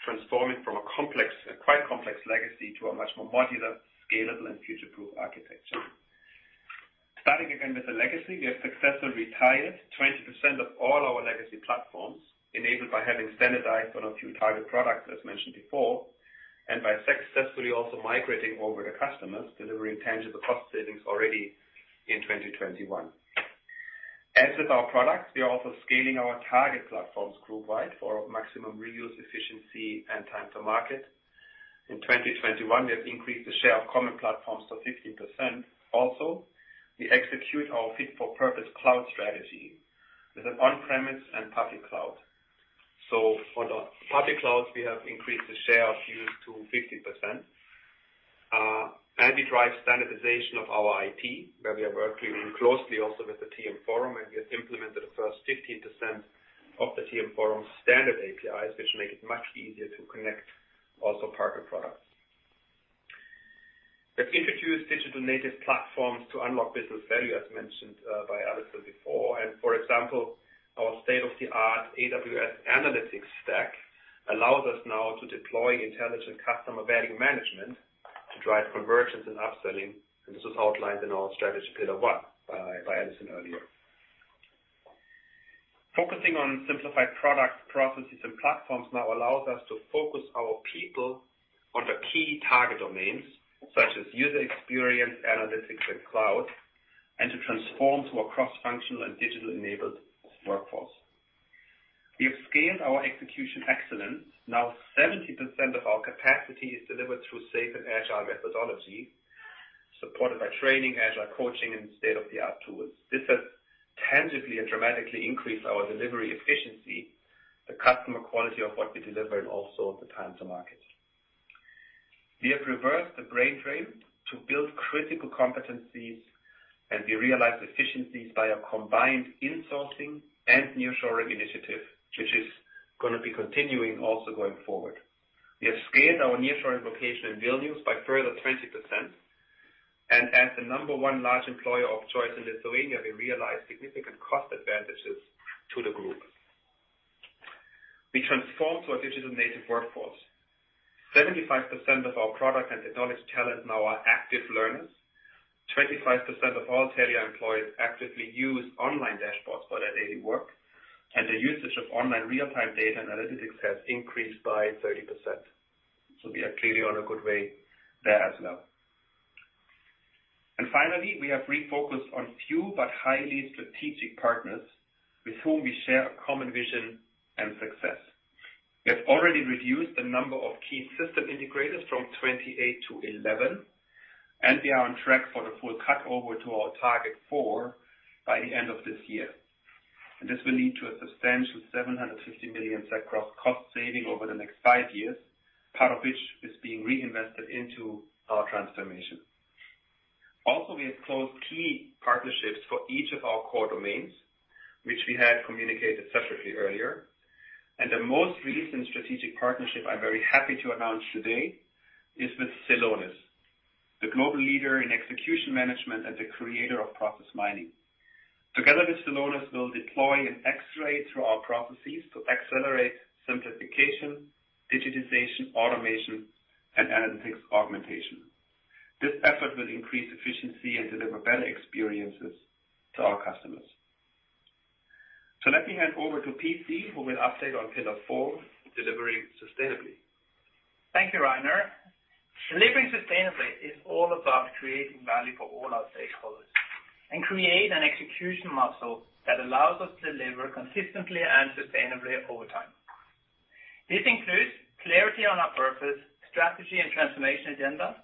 [SPEAKER 4] transforming from a quite complex legacy to a much more modular, scalable, and future-proof architecture. Starting again with the legacy, we have successfully retired 20% of all our legacy platforms, enabled by having standardized on a few target products, as mentioned before, and by successfully also migrating over the customers, delivering tangible cost savings already in 2021. As with our products, we are also scaling our target platforms group wide for maximum reuse efficiency and time to market. In 2021, we have increased the share of common platforms to 15%. Also, we execute our fit for purpose cloud strategy with an on-premise and public cloud. For the public cloud, we have increased the share of use to 15%. We drive standardization of our IT, where we are working closely also with the TM Forum, and we have implemented the first 15% of the TM Forum's standard APIs, which make it much easier to connect also partner products. We've introduced digital native platforms to unlock business value, as mentioned by Allison before. For example, our state-of-the-art AWS analytics stack allows us now to deploy intelligent customer value management to drive conversions and upselling, and this was outlined in our strategy pillar 1 by Allison earlier. Focusing on simplified products, processes, and platforms now allows us to focus our people on the key target domains such as user experience, analytics, and cloud, and to transform to a cross-functional and digital-enabled workforce. We have scaled our execution excellence. Now 70% of our capacity is delivered through SAFe and Agile methodology, supported by training, agile coaching, and state-of-the-art tools. This has tangibly and dramatically increased our delivery efficiency, the customer quality of what we deliver, and also the time to market. We have reversed the brain drain to build critical competencies, and we realize efficiencies by a combined insourcing and nearshoring initiative, which is gonna be continuing also going forward. We have scaled our nearshoring location in Vilnius by further 20%. As the number one large employer of choice in Lithuania, we realize significant cost advantages to the group. We transform to a digital native workforce. 75% of our product and technology talent now are active learners. 25% of all Telia employees actively use online dashboards for their daily work, and the usage of online real-time data analytics has increased by 30%. We are clearly on a good way there as well. Finally, we have refocused on few but highly strategic partners with whom we share a common vision and success. We have already reduced the number of key system integrators from 28 to 11, and we are on track for the full cut over to our target 4 by the end of this year. This will lead to a substantial 750 million SEK cross cost saving over the next five years, part of which is being reinvested into our transformation. Also, we have closed key partnerships for each of our core domains, which we had communicated separately earlier. The most recent strategic partnership I'm very happy to announce today is with Celonis, the global leader in execution management and the creator of process mining. Together with Celonis, we'll deploy an X-ray through our processes to accelerate simplification, digitization, automation, and analytics augmentation. This effort will increase efficiency and deliver better experiences to our customers. Let me hand over to PC, who will update on pillar four, delivering sustainably.
[SPEAKER 3] Thank you, Rainer. Delivering sustainably is all about creating value for all our stakeholders and create an execution muscle that allows us to deliver consistently and sustainably over time. This includes clarity on our purpose, strategy, and transformation agenda,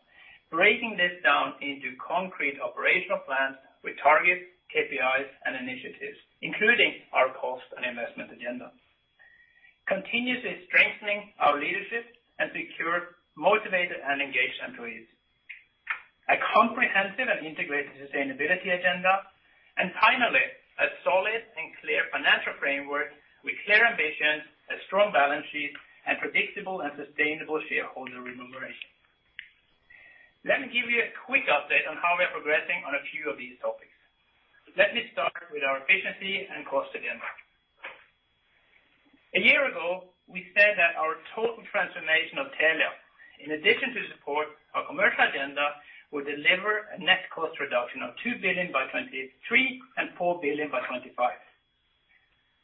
[SPEAKER 3] breaking this down into concrete operational plans with targets, KPIs, and initiatives, including our cost and investment agenda. Continuously strengthening our leadership and secure motivated and engaged employees. A comprehensive and integrated sustainability agenda, and finally, a solid and clear financial framework with clear ambitions, a strong balance sheet, and predictable and sustainable shareholder remuneration. Let me give you a quick update on how we are progressing on a few of these topics. Let me start with our efficiency and cost agenda. A year ago, we said that our total transformation of Telia, in addition to support our commercial agenda, would deliver a net cost reduction of 2 billion by 2023 and 4 billion by 2025.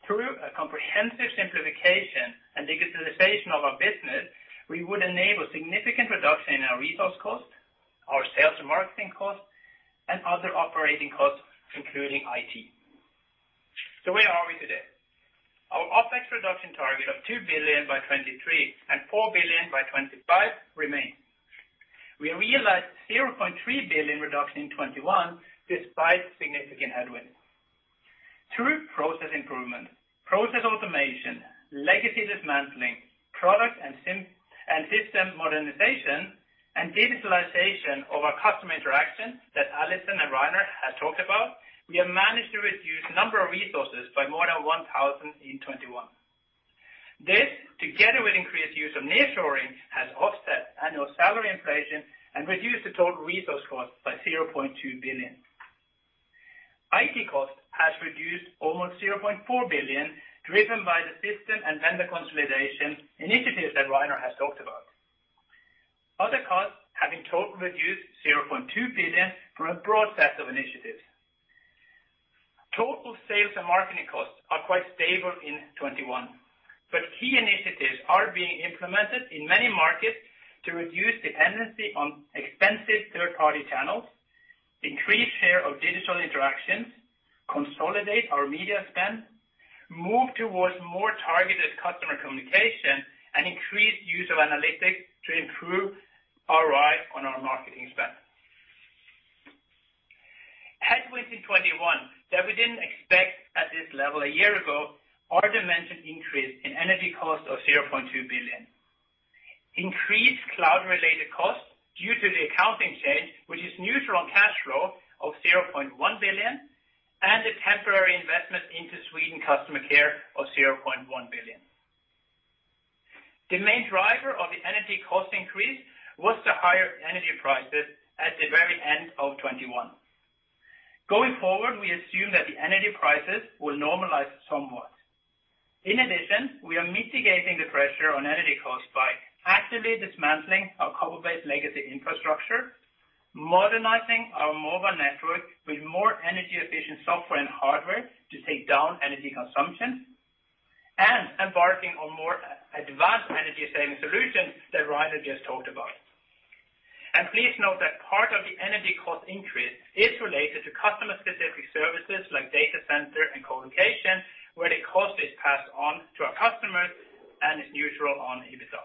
[SPEAKER 3] Through a comprehensive simplification and digitalization of our business, we would enable significant reduction in our resource costs, our sales and marketing costs, and other operating costs, including IT. Where are we today? Our OpEx reduction target of 2 billion by 2023 and 4 billion by 2025 remains. We realized 0.3 billion reduction in 2021 despite significant headwinds. Through process improvement, process automation, legacy dismantling, product and system modernization, and digitalization of our customer interactions that Allison and Rainer had talked about, we have managed to reduce number of resources by more than 1,000 in 2021. This, together with increased use of nearshoring, has offset annual salary inflation and reduced the total resource costs by 0.2 billion. IT cost has reduced almost 0.4 billion, driven by the system and vendor consolidation initiatives that Rainer has talked about. Other costs have been total reduced 0.2 billion from a broad set of initiatives. Total sales and marketing costs are quite stable in 2021, but key initiatives are being implemented in many markets to reduce dependency on expensive third-party channels, increase share of digital interactions, consolidate our media spend, move towards more targeted customer communication, and increase use of analytics to improve ROI on our marketing spend. Headwinds in 2021 that we didn't expect at this level a year ago are a dimensional increase in energy cost of 0.2 billion, increased cloud-related costs due to the accounting change, which is neutral on cash flow of 0.1 billion, and a temporary investment into Sweden customer care of 0.1 billion. The main driver of the energy cost increase was the higher energy prices at the very end of 2021. Going forward, we assume that the energy prices will normalize somewhat. In addition, we are mitigating the pressure on energy costs by actively dismantling our copper-based legacy infrastructure, modernizing our mobile network with more energy efficient software and hardware to take down energy consumption, and embarking on more advanced energy saving solutions that Rainer just talked about. Please note that part of the energy cost increase is related to customer-specific services like data center and co-location, where the cost is passed on to our customers and is neutral on EBITDA.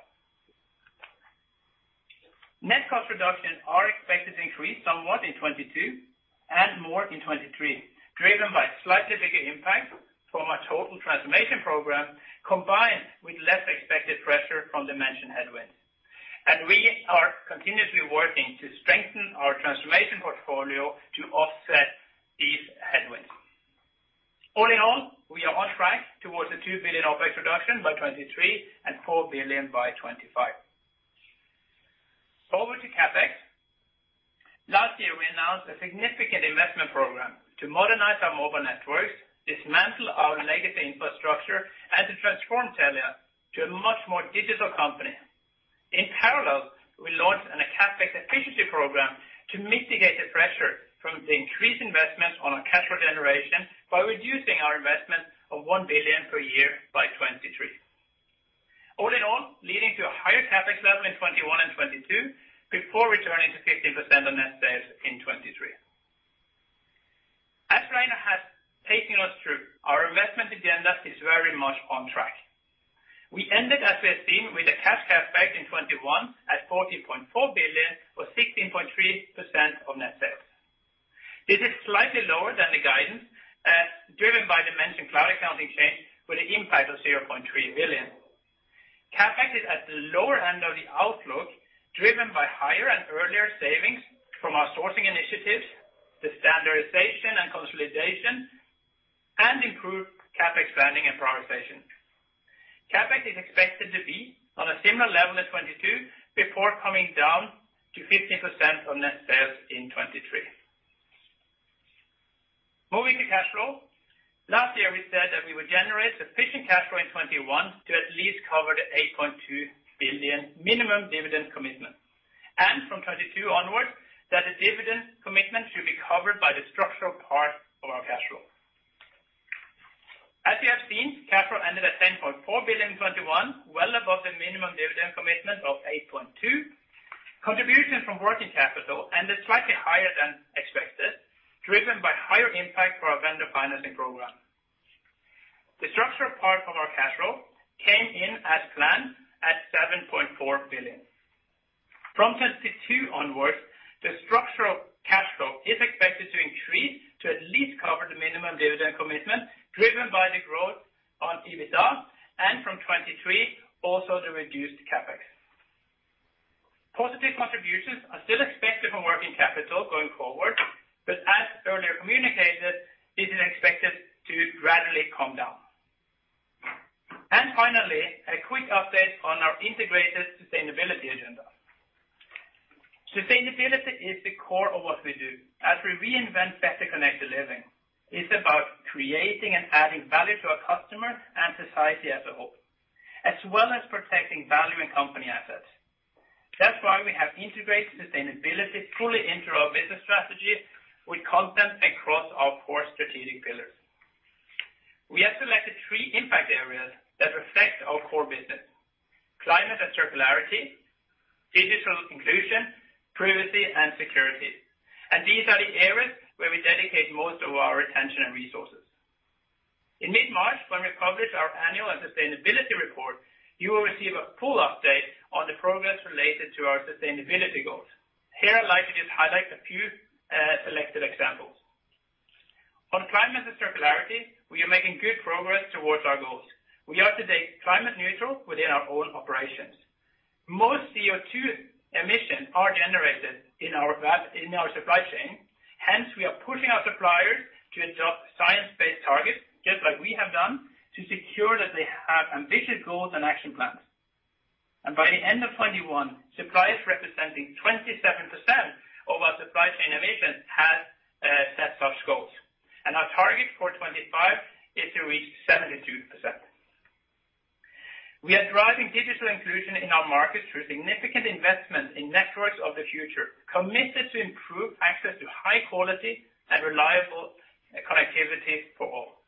[SPEAKER 3] Net cost reductions are expected to increase somewhat in 2022 and more in 2023, driven by slightly bigger impact from a total transformation program combined with less expected pressure from dimension headwinds. We are continuously working to strengthen our transformation portfolio to offset these headwinds. All in all, we are on track towards the 2 billion OpEx reduction by 2023 and 4 billion by 2025. Over to CapEx. Last year we announced a significant investment program to modernize our mobile networks, dismantle our legacy infrastructure, and to transform Telia to a much more digital company. In parallel, we launched a CapEx efficiency program to mitigate the pressure from the increased investment on our cash flow generation by reducing our investment of 1 billion per year by 23%. All in all, leading to a higher CapEx level in 2021 and 2022 before returning to 15% on net sales in 2023. As Rainer has taken us through, our investment agenda is very much on track. We ended, as we have seen, with a cash CapEx in 2021 at 14.4 billion, or 16.3% of net sales. This is slightly lower than the guidance, driven by dimension cloud accounting change with an impact of 0.3 billion. CapEx is at the lower end of the outlook, driven by higher and earlier savings from our sourcing initiatives, the standardization and consolidation, and improved CapEx planning and prioritization. CapEx is expected to be on a similar level in 2022 before coming down to 15% on net sales in 2023. Moving to cash flow. Last year we said that we would generate sufficient cash flow in 2021 to at least cover the 8.2 billion minimum dividend commitment. From 2022 onwards, that the dividend commitment should be covered by the structural part of our cash flow. As you have seen, cash flow ended at 10.4 billion in 2021, well above the minimum dividend commitment of 8.2 billion. Contribution from working capital ended slightly higher than expected, driven by higher impact for our vendor financing program. The structural part of our cash flow came in as planned at 7.4 billion. From 2022 onwards, the structural cash flow is expected to increase to at least cover the minimum dividend commitment driven by the growth on EBITDA, and from 2023, also the reduced CapEx. Positive contributions are still expected from working capital going forward, but as earlier communicated, it is expected to gradually come down. Finally, a quick update on our integrated sustainability agenda. Sustainability is the core of what we do as we reinvent better connected living. It's about creating and adding value to our customer and society as a whole, as well as protecting value and company assets. That's why we have integrated sustainability fully into our business strategy with content across our core strategic pillars. We have selected three impact areas that reflect our core business. Climate and circularity, digital inclusion, privacy and security. These are the areas where we dedicate most of our attention and resources. In mid-March, when we publish our annual and sustainability report, you will receive a full update on the progress related to our sustainability goals. Here, I'd like to just highlight a few selected examples. On climate and circularity, we are making good progress towards our goals. We are today climate neutral within our own operations. Most CO2 emissions are generated in our supply chain. Hence, we are pushing our suppliers to adopt science-based targets, just like we have done, to secure that they have ambitious goals and action plans. By the end of 2021, suppliers representing 27% of our supply chain emissions had set such goals. Our target for 2025 is to reach 72%. We are driving digital inclusion in our markets through significant investment in networks of the future, committed to improve access to high quality and reliable connectivity for all.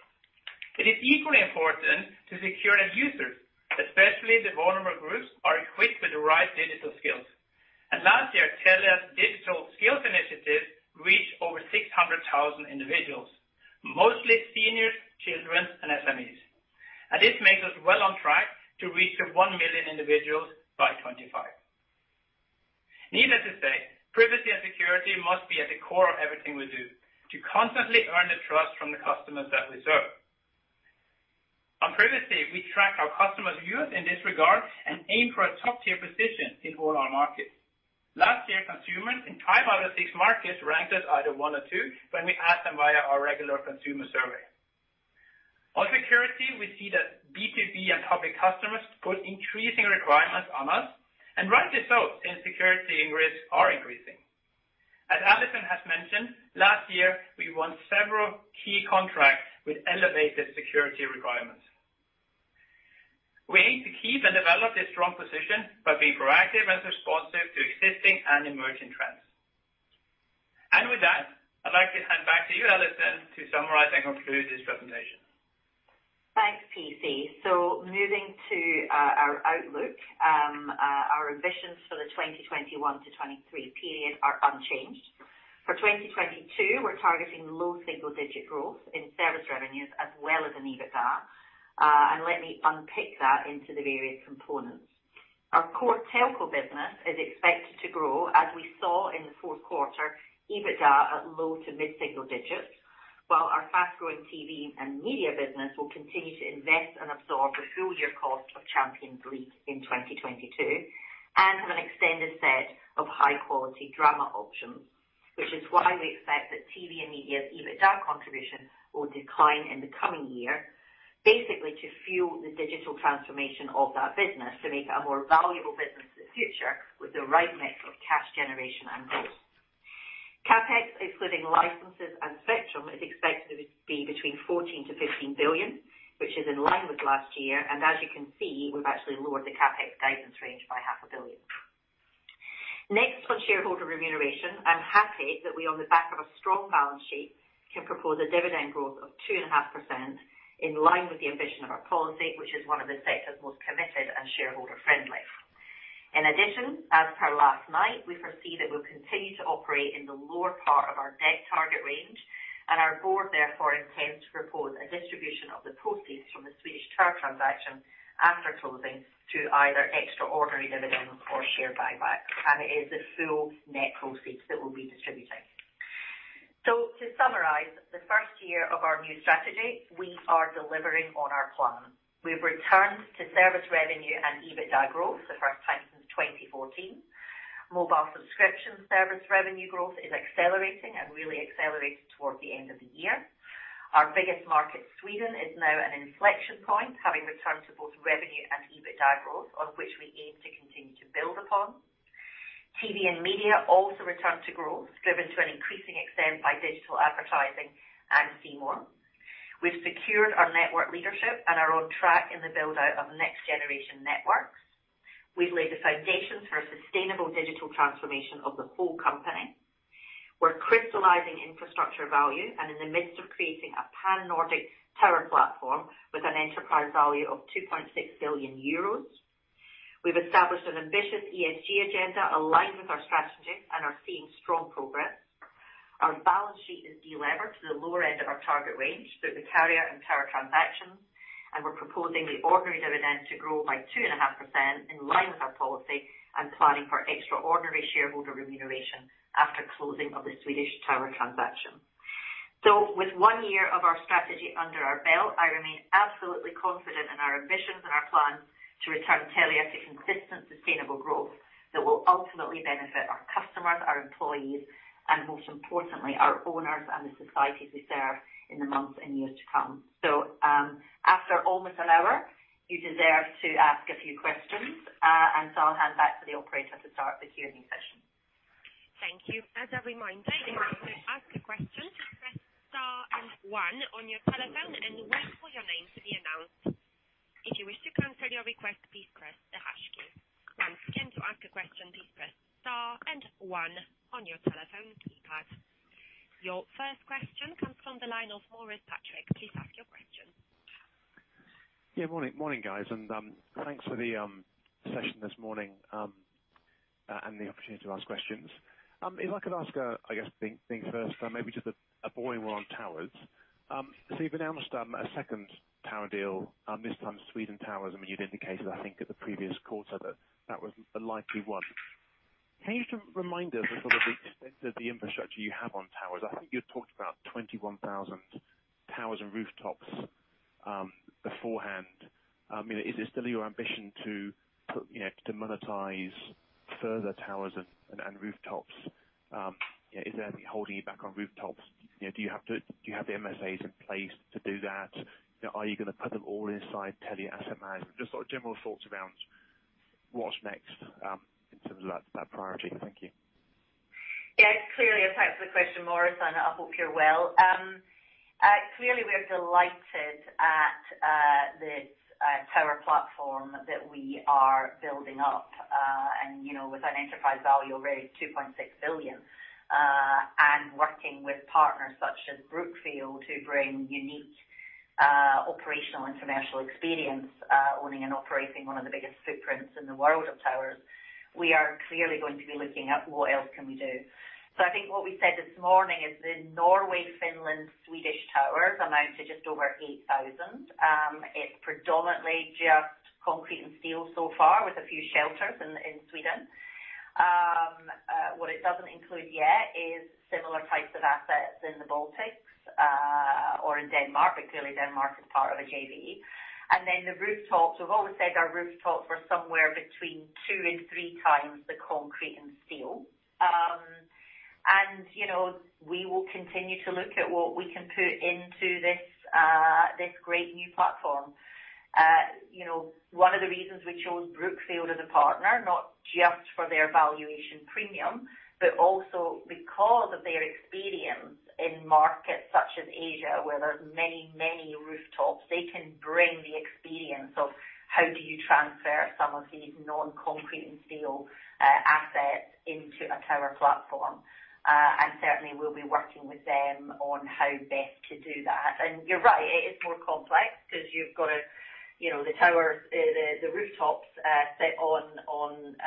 [SPEAKER 3] It is equally important to secure that users, especially the vulnerable groups, are equipped with the right digital skills. Last year, Telia's digital skills initiative reached over 600,000 individuals, mostly seniors, children, and SMEs. This makes us well on track to reach 1 million individuals by 2025. Needless to say, privacy and security must be at the core of everything we do to constantly earn the trust from the customers that we serve. On privacy, we track our customers' views in this regard and aim for a top-tier position in all our markets. Last year, consumers in five out of six markets ranked us either one or two when we asked them via our regular consumer survey. On security, we see that B2B and public customers put increasing requirements on us, and rightly so, since security and risks are increasing. As Allison has mentioned, last year, we won several key contracts with elevated security requirements. We aim to keep and develop this strong position by being proactive and responsive to existing and emerging trends. With that, I'd like to hand back to you, Allison, to summarize and conclude this presentation.
[SPEAKER 2] Thanks, PC. Moving to our outlook. Our ambitions for the 2021-2023 period are unchanged. For 2022, we're targeting low single-digit growth in service revenues, as well as in EBITDA, and let me unpick that into the various components. Our core telco business is expected to grow as we saw in the fourth quarter, EBITDA at low to mid-single digits, while our fast-growing TV and media business will continue to invest and absorb the full-year cost of Champions League in 2022 and have an extended set of high-quality drama options, which is why we expect that TV and media's EBITDA contribution will decline in the coming year, basically to fuel the digital transformation of that business to make it a more valuable business in the future with the right mix of cash generation and growth. CapEx, excluding licenses and spectrum, is expected to be between 14 billion-15 billion, which is in line with last year. As you can see, we've actually lowered the CapEx guidance range by SEK half a billion. Next, on shareholder remuneration. I'm happy that we, on the back of a strong balance sheet, can propose a dividend growth of 2.5% in line with the ambition of our policy, which is one of the sector's most committed and shareholder-friendly. In addition, as per last night, we foresee that we'll continue to operate in the lower part of our debt target range, and our board therefore intends to propose a distribution of the proceeds from the Swedish tower transaction after closing to either extraordinary dividend or share buyback. It is the full net proceeds that we'll be distributing. To summarize, the first year of our new strategy, we are delivering on our plan. We've returned to service revenue and EBITDA growth, the first time since 2014. Mobile subscription service revenue growth is accelerating and really accelerated towards the end of the year. Our biggest market, Sweden, is now an inflection point, having returned to both revenue and EBITDA growth, on which we aim to continue to build upon. TV and media also returned to growth, driven to an increasing extent by digital advertising and C More. We've secured our network leadership and are on track in the build-out of next generation networks. We've laid the foundations for a sustainable digital transformation of the whole company. We're crystallizing infrastructure value and in the midst of creating a Pan-Nordic tower platform with an enterprise value of 2.6 billion euros. We've established an ambitious ESG agenda aligned with our strategy and are seeing strong progress. Our balance sheet is delevered to the lower end of our target range through the carrier and tower transactions, and we're proposing the ordinary dividend to grow by 2.5% in line with our policy and planning for extraordinary shareholder remuneration after closing of the Swedish tower transaction. With one year of our strategy under our belt, I remain absolutely confident in our ambitions and our plan to return Telia to consistent sustainable growth that will ultimately benefit our customers, our employees, and most importantly, our owners and the societies we serve in the months and years to come. After almost an hour, you deserve to ask a few questions. I'll hand back to the operator to start the Q&A session.
[SPEAKER 1] Thank you. As a reminder, if you want to ask a question, just press star and one on your telephone and wait for your name to be announced. If you wish to cancel your request, please press the hash key. Once again, to ask a question, please press star and one on your telephone keypad. Your first question comes from the line of Maurice Patrick. Please ask your question.
[SPEAKER 5] Yeah. Morning, guys, and thanks for the session this morning, and the opportunity to ask questions. If I could ask, I guess the big thing first, maybe just a boring one on towers. You've announced a second tower deal, this time Sweden Towers. I mean, you'd indicated, I think, at the previous quarter that that was a likely one. Can you just remind us of, sort of, the extent of the infrastructure you have on towers? I think you'd talked about 21,000 towers and rooftops beforehand. I mean, is this still your ambition to put, you know, to monetize further towers and rooftops? Is there anything holding you back on rooftops? You know, do you have the MSAs in place to do that? You know, are you gonna put them all inside Telia Asset Management? Just sort of general thoughts around what's next, in terms of that priority. Thank you.
[SPEAKER 2] Clearly, thanks for the question, Maurice, and I hope you're well. Clearly, we're delighted at this tower platform that we are building up. You know, with an enterprise value already 2.6 billion and working with partners such as Brookfield to bring unique operational and commercial experience owning and operating one of the biggest footprints in the world of towers. We are clearly going to be looking at what else can we do. I think what we said this morning is the Norway, Finland, Swedish towers amount to just over 8,000. It's predominantly just concrete and steel so far, with a few shelters in Sweden. What it doesn't include yet is similar types of assets in the Baltics or in Denmark, but clearly Denmark is part of a JV. The rooftops. We've always said our rooftops were somewhere between two and three times the concrete and steel. You know, we will continue to look at what we can put into this great new platform. You know, one of the reasons we chose Brookfield as a partner, not just for their valuation premium, but also because of their experience in markets such as Asia, where there's many, many rooftops. They can bring the experience of how do you transfer some of these non-concrete and steel assets into a tower platform. Certainly we'll be working with them on how best to do that. You're right, it is more complex because you've got to, you know, the towers, the rooftops sit on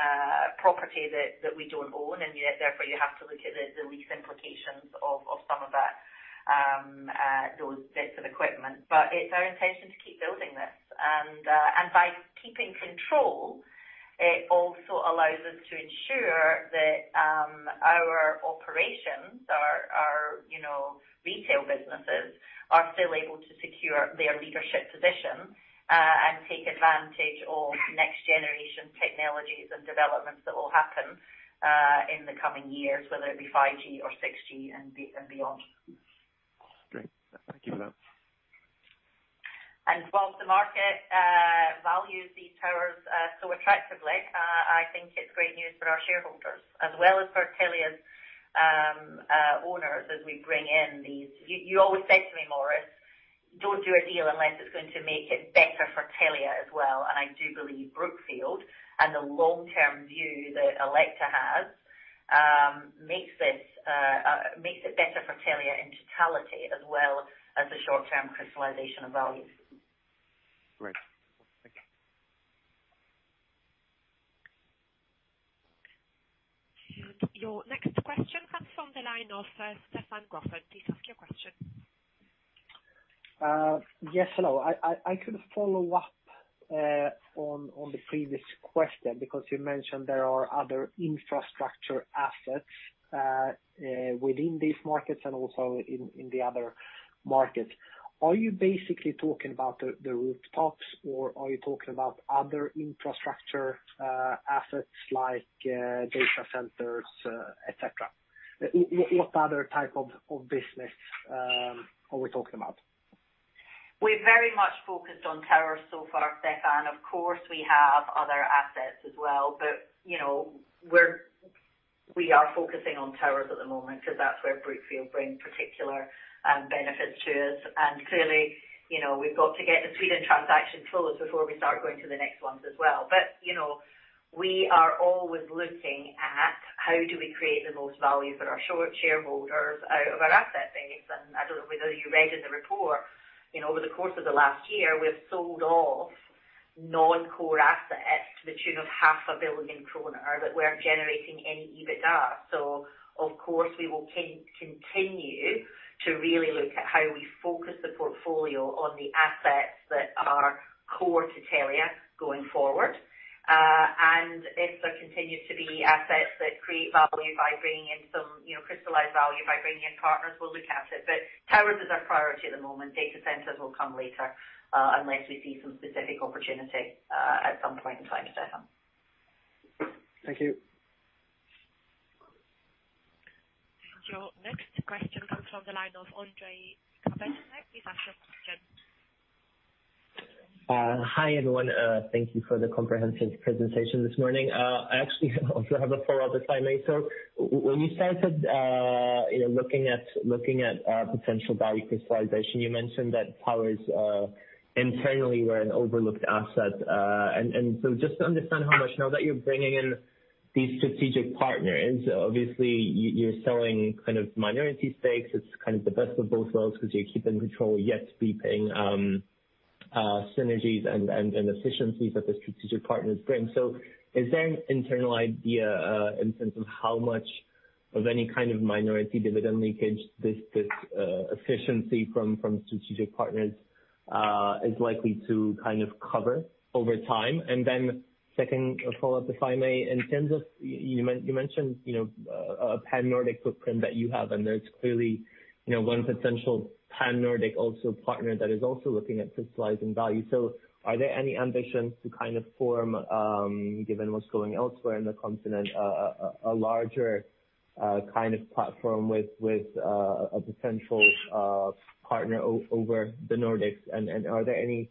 [SPEAKER 2] property that we don't own and yet therefore you have to look at the lease implications of some of that those bits of equipment. It's our intention to keep building this. By keeping control, it also allows us to ensure that our operations, our you know, retail businesses are still able to secure their leadership position and take advantage of next generation technologies and developments that will happen in the coming years, whether it be 5G or 6G and beyond.
[SPEAKER 5] Great. Thank you for that.
[SPEAKER 2] While the market values these towers so attractively, I think it's great news for our shareholders as well as for Telia's owners, as we bring in these. You always said to me, Maurice, "Don't do a deal unless it's going to make it better for Telia as well." I do believe Brookfield and the long-term view that Alecta has makes it better for Telia in totality as well as the short-term crystallization of value.
[SPEAKER 5] Great. Thank you.
[SPEAKER 1] Your next question comes from the line of Stefan Gauffin. Please ask your question.
[SPEAKER 6] Yes, hello. I could follow up on the previous question because you mentioned there are other infrastructure assets within these markets and also in the other markets. Are you basically talking about the rooftops, or are you talking about other infrastructure assets like data centers, et cetera? What other type of business are we talking about?
[SPEAKER 2] We're very much focused on towers so far, Stefan. Of course, we have other assets as well, but, you know, we are focusing on towers at the moment because that's where Brookfield bring particular, benefits to us. Clearly, you know, we've got to get the Sweden transaction closed before we start going to the next ones as well. You know, we are always looking at how do we create the most value for our shareholders out of our asset base. I don't know whether you read in the report, you know, over the course of the last year, we've sold off non-core assets to the tune of half a billion SEK that weren't generating any EBITDA. Of course, we will continue to really look at how we focus the portfolio on the assets that are core to Telia going forward. If there continues to be assets that create value by bringing in some, you know, crystallized value by bringing in partners, we'll look at it. But towers is our priority at the moment. Data centers will come later, unless we see some specific opportunity, at some point in time, Stefan.
[SPEAKER 6] Thank you.
[SPEAKER 1] Your next question comes from the line of Ondrej Cabejsek. Please ask your question.
[SPEAKER 7] Hi, everyone. Thank you for the comprehensive presentation this morning. I actually also have a follow-up, if I may. When you started, you know, looking at potential value crystallization, you mentioned that towers internally were an overlooked asset. Just to understand how much now that you're bringing in these strategic partners, obviously you're selling kind of minority stakes. It's kind of the best of both worlds because you're keeping control, yet be paying. Synergies and efficiencies that the strategic partners bring. Is there an internal idea in terms of how much of any kind of minority dividend leakage this efficiency from strategic partners is likely to kind of cover over time? Then second follow-up, if I may. In terms of you mentioned, you know, a Pan-Nordic footprint that you have, and there's clearly, you know, one potential Pan-Nordic also partner that is also looking at crystallizing value. Are there any ambitions to kind of form, given what's going elsewhere in the continent, a larger kind of platform with a potential partner over the Nordics? Are there any,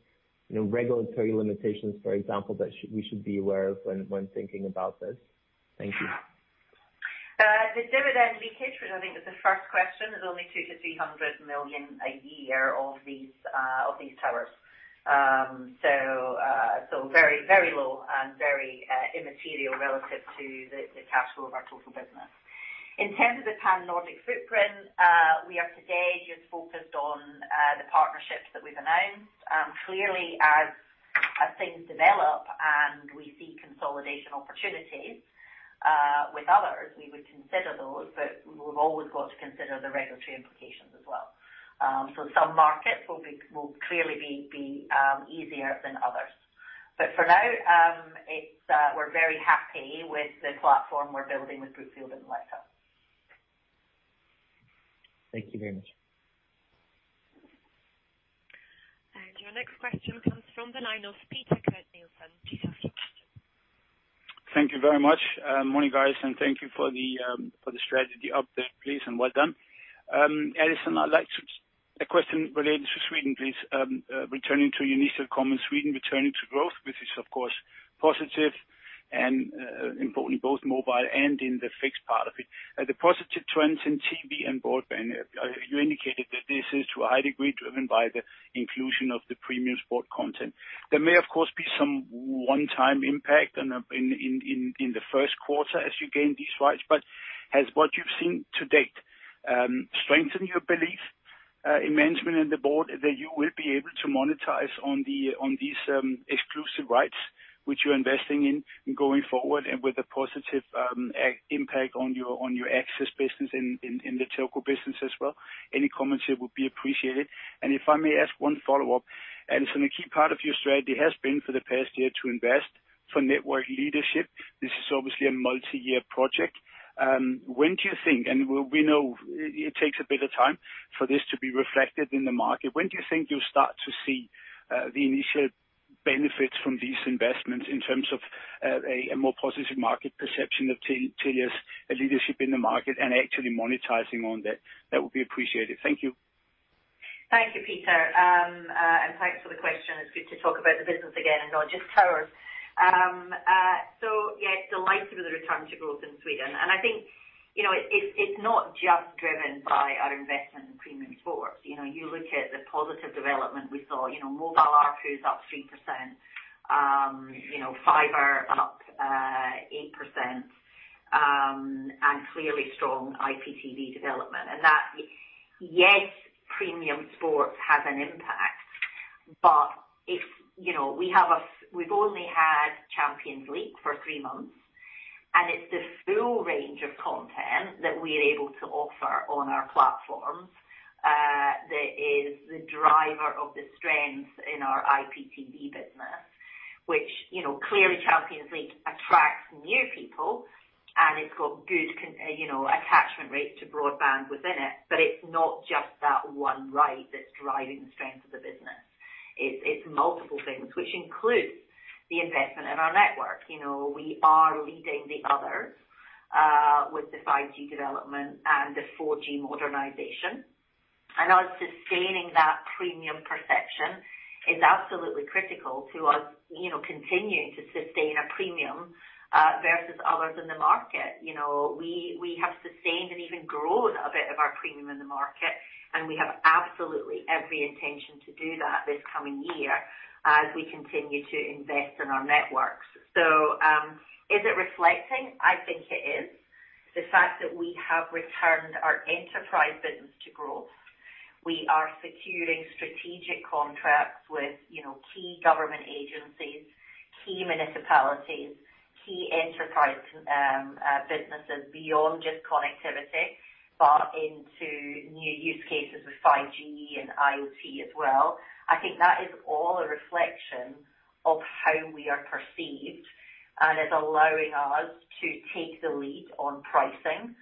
[SPEAKER 7] you know, regulatory limitations, for example, that we should be aware of when thinking about this? Thank you.
[SPEAKER 2] The dividend leakage, which I think is the first question, is only 200 million-300 million a year of these towers. It is very low and very immaterial relative to the cash flow of our total business. In terms of the Pan-Nordic footprint, we are today just focused on the partnerships that we've announced. Clearly as things develop and we see consolidation opportunities with others, we would consider those, but we've always got to consider the regulatory implications as well. Some markets will clearly be easier than others. For now, we're very happy with the platform we're building with Brookfield and Alecta.
[SPEAKER 7] Thank you very much.
[SPEAKER 1] Your next question comes from the line of Peter Kurt Nielsen. Peter.
[SPEAKER 8] Thank you very much. Morning, guys, and thank you for the strategy update, please, and well done. Allison, a question related to Sweden, please. Returning to your initial comment, Sweden returning to growth, which is of course positive and important in both mobile and in the fixed part of it. The positive trends in TV and broadband, you indicated that this is to a high degree driven by the inclusion of the premium sport content. There may, of course, be some one-time impact in the first quarter as you gain these rights, but has what you've seen to date strengthened your belief in management and the board that you will be able to monetize on these exclusive rights which you're investing in going forward and with a positive impact on your access business in the telco business as well? Any comments here would be appreciated. If I may ask one follow-up. Allison, a key part of your strategy has been for the past year to invest for network leadership. This is obviously a multi-year project. When do you think, and we know it takes a bit of time for this to be reflected in the market. When do you think you'll start to see the initial benefits from these investments in terms of a more positive market perception of Telia's leadership in the market and actually monetizing on that? That would be appreciated. Thank you.
[SPEAKER 2] Thank you, Peter. Thanks for the question. It's good to talk about the business again and not just towers. Yeah, delighted with the return to growth in Sweden. I think, you know, it's not just driven by our investment in premium sports. You know, you look at the positive development we saw. You know, mobile ARPU is up 3%. You know, fiber up 8%, and clearly strong IPTV development. That yes, premium sports has an impact, but we've only had Champions League for three months, and it's the full range of content that we're able to offer on our platform that is the driver of the strength in our IPTV business. Which, you know, clearly Champions League attracts new people, and it's got good content, you know, attachment rates to broadband within it. It's not just that one right that's driving the strength of the business. It's multiple things, which includes the investment in our network. You know, we are leading the others with the 5G development and the 4G modernization, us sustaining that premium perception is absolutely critical to us, you know, continuing to sustain a premium versus others in the market. You know, we have sustained and even grown a bit of our premium in the market, and we have absolutely every intention to do that this coming year as we continue to invest in our networks. Is it reflecting? I think it is. The fact that we have returned our enterprise business to growth, we are securing strategic contracts with, you know, key government agencies, key municipalities, key enterprise businesses beyond just connectivity, but into new use cases with 5G and IoT as well. I think that is all a reflection of how we are perceived and is allowing us to take the lead on pricing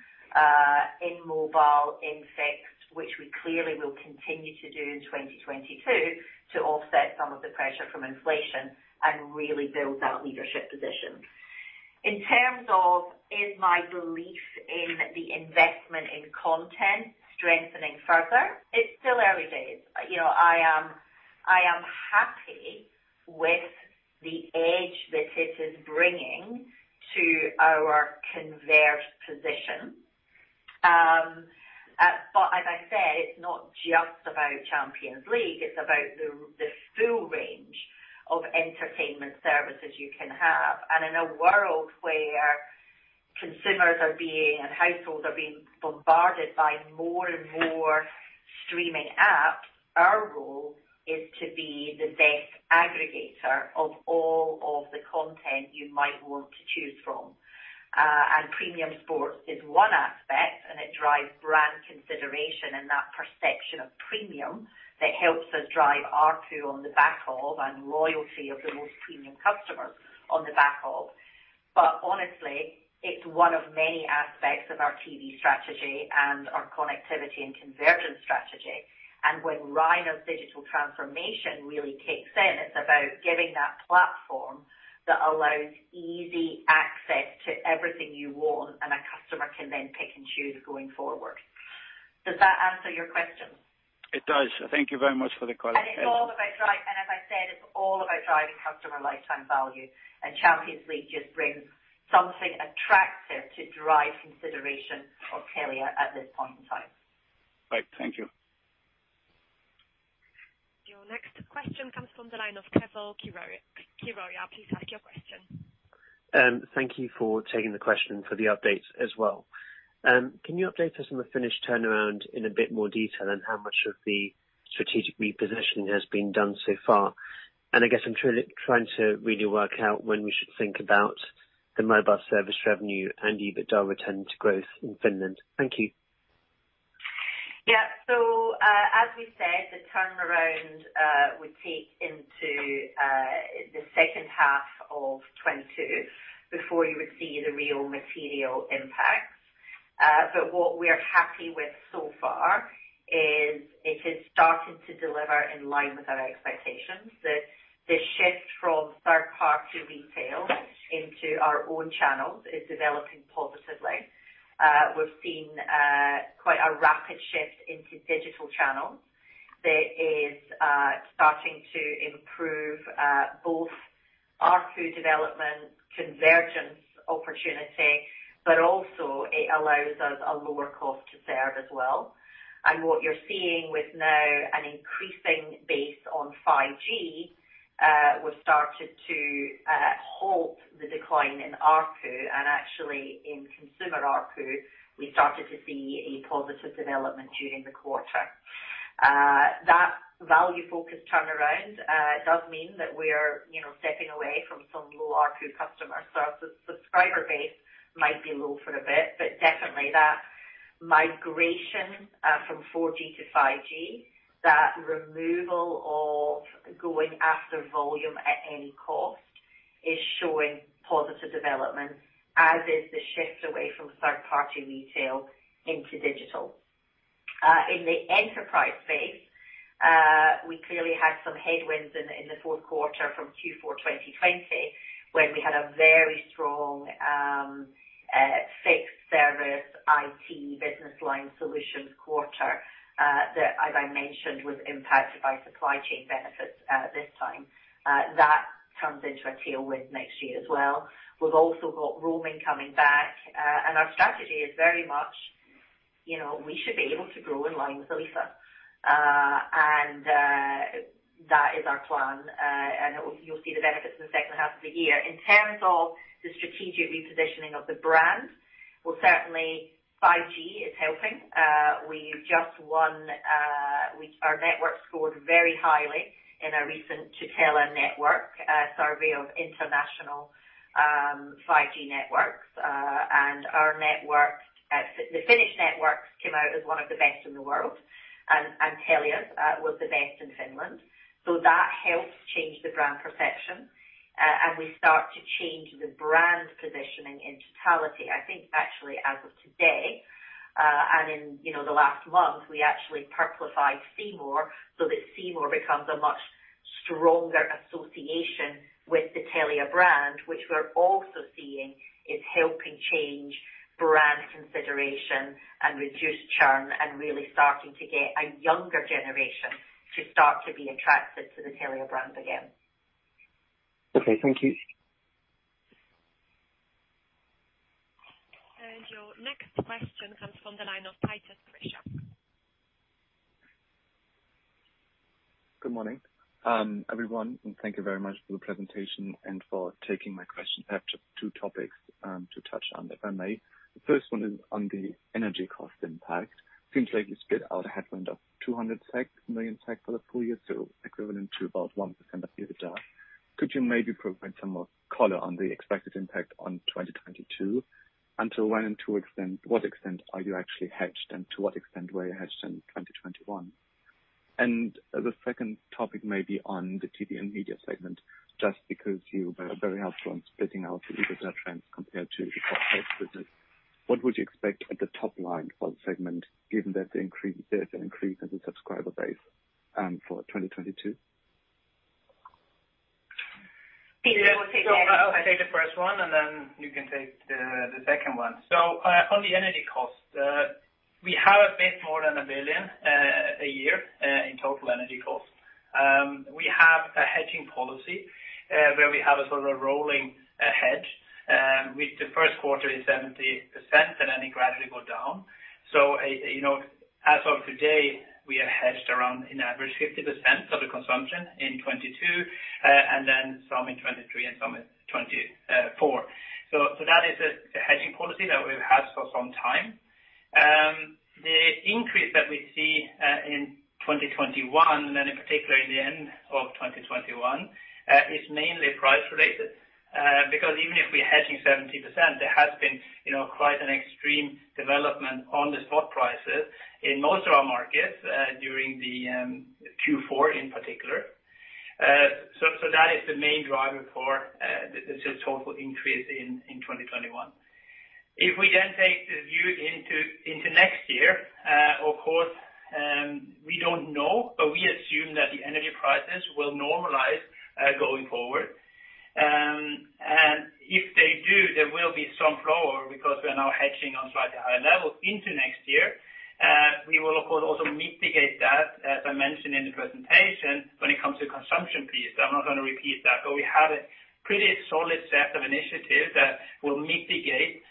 [SPEAKER 2] in mobile, in fixed, which we clearly will continue to do in 2022 to offset some of the pressure from inflation and really build that leadership position. In terms of is my belief in the investment in content strengthening further, it's still early days. You know, I am happy with the edge that it is bringing to our consumer position. As I said, it's not just about Champions League, it's about the full range of entertainment services you can have. In a world where consumers and households are being bombarded by more and more streaming apps, our role is to be the best aggregator of all of the content you might want to choose from. Premium sports is one aspect, and it drives brand consideration and that perception of premium that helps us drive ARPU on the broadband and loyalty of the most premium customers on the broadband. Honestly, it's one of many aspects of our TV strategy and our connectivity and convergence strategy. When Rainer's digital transformation really kicks in, it's about giving that platform that allows easy access to everything you want, and a customer can then pick and choose going forward. Does that answer your question?
[SPEAKER 8] It does. Thank you very much for the call.
[SPEAKER 2] It's all about drive. As I said, it's all about driving customer lifetime value. Champions League just brings something attractive to drive consideration for Telia at this point in time.
[SPEAKER 8] Right. Thank you.
[SPEAKER 1] Your next question comes from the line of Keval Khiroya. Please ask your question.
[SPEAKER 9] Thank you for taking the question, for the updates as well. Can you update us on the Finnish turnaround in a bit more detail and how much of the strategic repositioning has been done so far? I guess I'm trying to really work out when we should think about the mobile service revenue and EBITDA return to growth in Finland. Thank you.
[SPEAKER 2] Yeah. As we said, the turnaround would take into the second half of 2022 before you would see the real material impact. What we're happy with so far is it is starting to deliver in line with our expectations. The shift from third party retail into our own channels is developing positively. We've seen quite a rapid shift into digital channels that is starting to improve both ARPU development convergence opportunity, but also it allows us a lower cost to serve as well. What you're seeing with now an increasing base on 5G, we've started to halt the decline in ARPU. Actually in consumer ARPU, we started to see a positive development during the quarter. That value focus turnaround does mean that we're you know stepping away from some low ARPU customers. Our subscriber base might be low for a bit, but definitely that migration from 4G to 5G, that removal of going after volume at any cost is showing positive development, as is the shift away from third-party retail into digital. In the enterprise space, we clearly had some headwinds in the fourth quarter from Q4 2020, when we had a very strong fixed service IT business line solutions quarter that as I mentioned, was impacted by supply chain benefits at this time. That turns into a tailwind next year as well. We've also got roaming coming back. Our strategy is very much, you know, we should be able to grow in line with Elisa. That is our plan. You'll see the benefits in the second half of the year. In terms of the strategic repositioning of the brand, well, certainly 5G is helping. Our network scored very highly in a recent Tutela network survey of international 5G networks. Our network, the Finnish networks, came out as one of the best in the world. Telia was the best in Finland. That helps change the brand perception, and we start to change the brand positioning in totality. I think actually as of today, and in, you know, the last month, we actually purified C More, so that C More becomes a much stronger association with the Telia brand, which we're also seeing is helping change brand consideration and reduce churn and really starting to get a younger generation to start to be attracted to the Telia brand again.
[SPEAKER 9] Okay. Thank you.
[SPEAKER 1] Your next question comes from the line of Titus Krahn.
[SPEAKER 10] Good morning, everyone, and thank you very much for the presentation and for taking my question. I have just two topics to touch on, if I may. The first one is on the energy cost impact. Seems like you spit out a headwind of 200 million SEK for the full year, so equivalent to about 1% of EBITDA. Could you maybe provide some more color on the expected impact on 2022? Until when and what extent are you actually hedged, and to what extent were you hedged in 2021? The second topic may be on the TV and media segment, just because you were very helpful on splitting out the EBITDA trends compared to the top business. What would you expect at the top line for the segment, given that there's an increase in the subscriber base, for 2022?
[SPEAKER 2] PC will take that.
[SPEAKER 3] I'll take the first one, and then you can take the second one. On the energy cost, we have a bit more than 1 billion a year in total energy costs. We have a hedging policy where we have a sort of rolling hedge with the first quarter in 70% and then it gradually go down. You know, as of today, we are hedged around on average 50% of the consumption in 2022, and then some in 2023 and some in 2024. That is the hedging policy that we've had for some time. The increase that we see in 2021, and then in particular in the end of 2021, is mainly price related. Because even if we're hedging 70%, there has been, you know, quite an extreme development on the spot prices in most of our markets during the Q4 in particular. That is the main driver for this total increase in 2021. If we then take the view into next year, of course, we don't know, but we assume that the energy prices will normalize going forward. If they do, there will be some flow because we're now hedging on slightly higher levels into next year. We will of course also mitigate that, as I mentioned in the presentation when it comes to consumption piece. I'm not gonna repeat that, but we have a pretty solid set of initiatives that will mitigate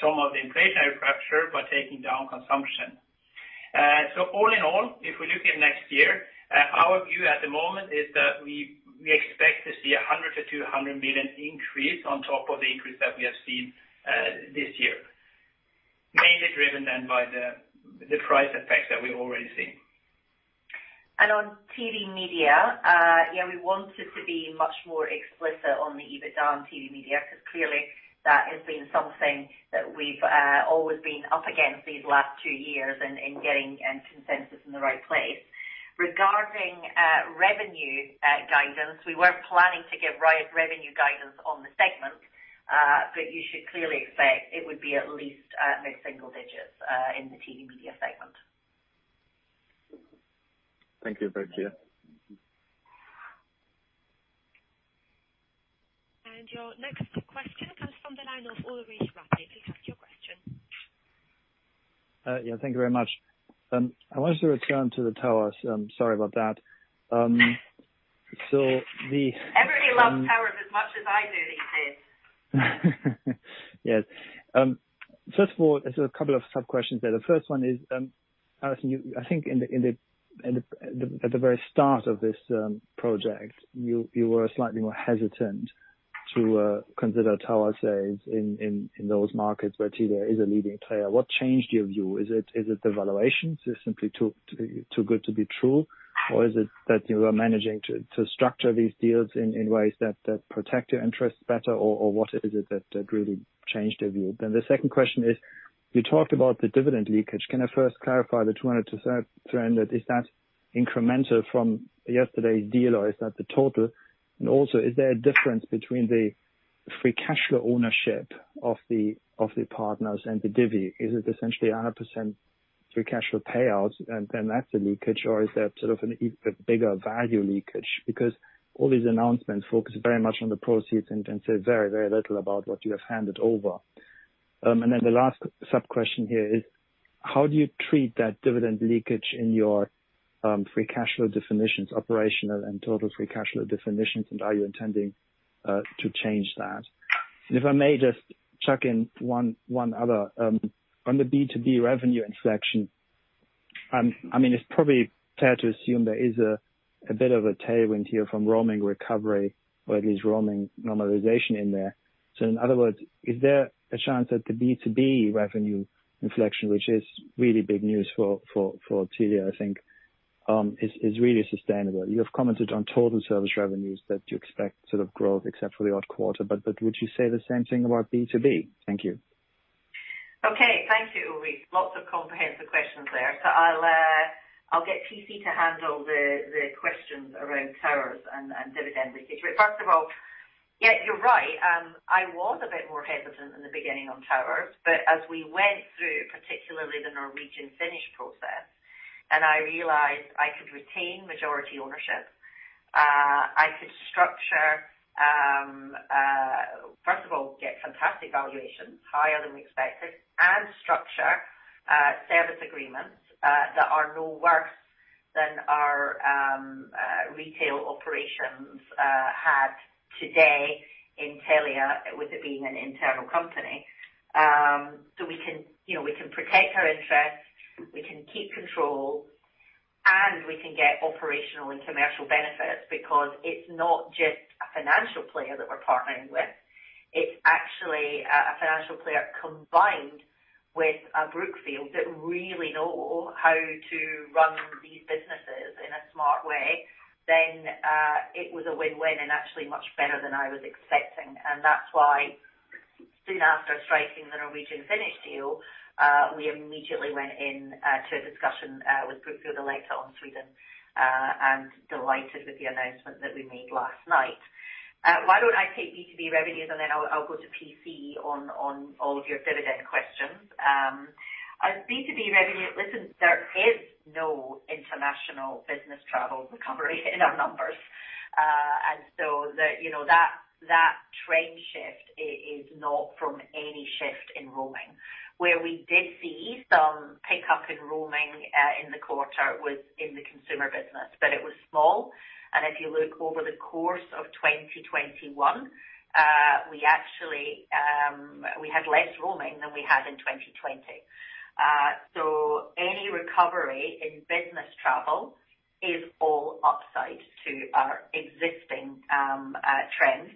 [SPEAKER 3] some of the inflationary pressure by taking down consumption. All in all, if we look at next year, our view at the moment is that we expect to see 100 million-200 million increase on top of the increase that we have seen this year. Mainly driven then by the price effect that we're already seeing.
[SPEAKER 2] On TV Media, we wanted to be much more explicit on the EBITDA on TV Media, because clearly that has been something that we've always been up against these last two years in getting consensus in the right place. Regarding revenue guidance, we weren't planning to provide revenue guidance on the segment, but you should clearly expect it would be at least mid-single digits in the TV Media segment.
[SPEAKER 10] Thank you both. Yeah.
[SPEAKER 1] Your next question comes from the line of Ulrich Rathe. Please ask your question.
[SPEAKER 11] Yeah, thank you very much. I wanted to return to the towers. Sorry about that.
[SPEAKER 2] Everybody loves towers as much as I do these days.
[SPEAKER 12] Yes. First of all, there's a couple of sub-questions there. The first one is, Allison, you I think at the very start of this project, you were slightly more hesitant to consider towers in those markets where Telia is a leading player. What changed your view? Is it the valuations just simply too good to be true? Or is it that you are managing to structure these deals in ways that protect your interests better? Or what is it that really changed your view? The second question is, you talked about the dividend leakage. Can I first clarify the 200 million-300 million? Is that incremental from yesterday's deal or is that the total?
[SPEAKER 11] Also is there a difference between the free cash flow ownership of the partners and the divvy? Is it essentially a 100% free cash flow payouts and then that's the leakage? Or is there sort of a bigger value leakage? Because all these announcements focus very much on the proceeds and say very, very little about what you have handed over. Then the last sub-question here is how do you treat that dividend leakage in your free cash flow definitions, operational and total free cash flow definitions? Are you intending to change that? If I may just chuck in one other. On the B2B revenue inflection, I mean, it's probably fair to assume there is a bit of a tailwind here from roaming recovery or at least roaming normalization in there. In other words, is there a chance that the B2B revenue inflection, which is really big news for Telia, I think, is really sustainable. You have commented on total service revenues that you expect sort of growth except for the odd quarter, but would you say the same thing about B2B? Thank you.
[SPEAKER 2] Okay. Thank you, Ulrich. Lots of comprehensive questions there. I'll get PC to handle the questions around towers and dividend leakage. First of all, yeah, you're right. I was a bit more hesitant in the beginning on towers, but as we went through, particularly the Norwegian Finnish process, and I realized I could retain majority ownership, get fantastic valuations, higher than we expected, and structure service agreements that are no worse than our retail operations had today in Telia with it being an internal company. You know, we can protect our interests, we can keep control, and we can get operational and commercial benefits because it's not just a financial player that we're partnering with. It's actually a financial player combined with Brookfield that really know how to run these businesses in a smart way. It was a win-win and actually much better than I was expecting. That's why soon after striking the Norwegian Finnish deal, we immediately went in to a discussion with Brookfield later on Sweden, and delighted with the announcement that we made last night. Why don't I take B2B revenues, and then I'll go to PC on all of your dividend questions. B2B revenue, listen, there is no international business travel recovery in our numbers. The, you know, that train shift is not from any shift in roaming. Where we did see some pickup in roaming in the quarter was in the consumer business. It was small, and if you look over the course of 2021, we actually had less roaming than we had in 2020. So any recovery in business travel is all upside to our existing trends.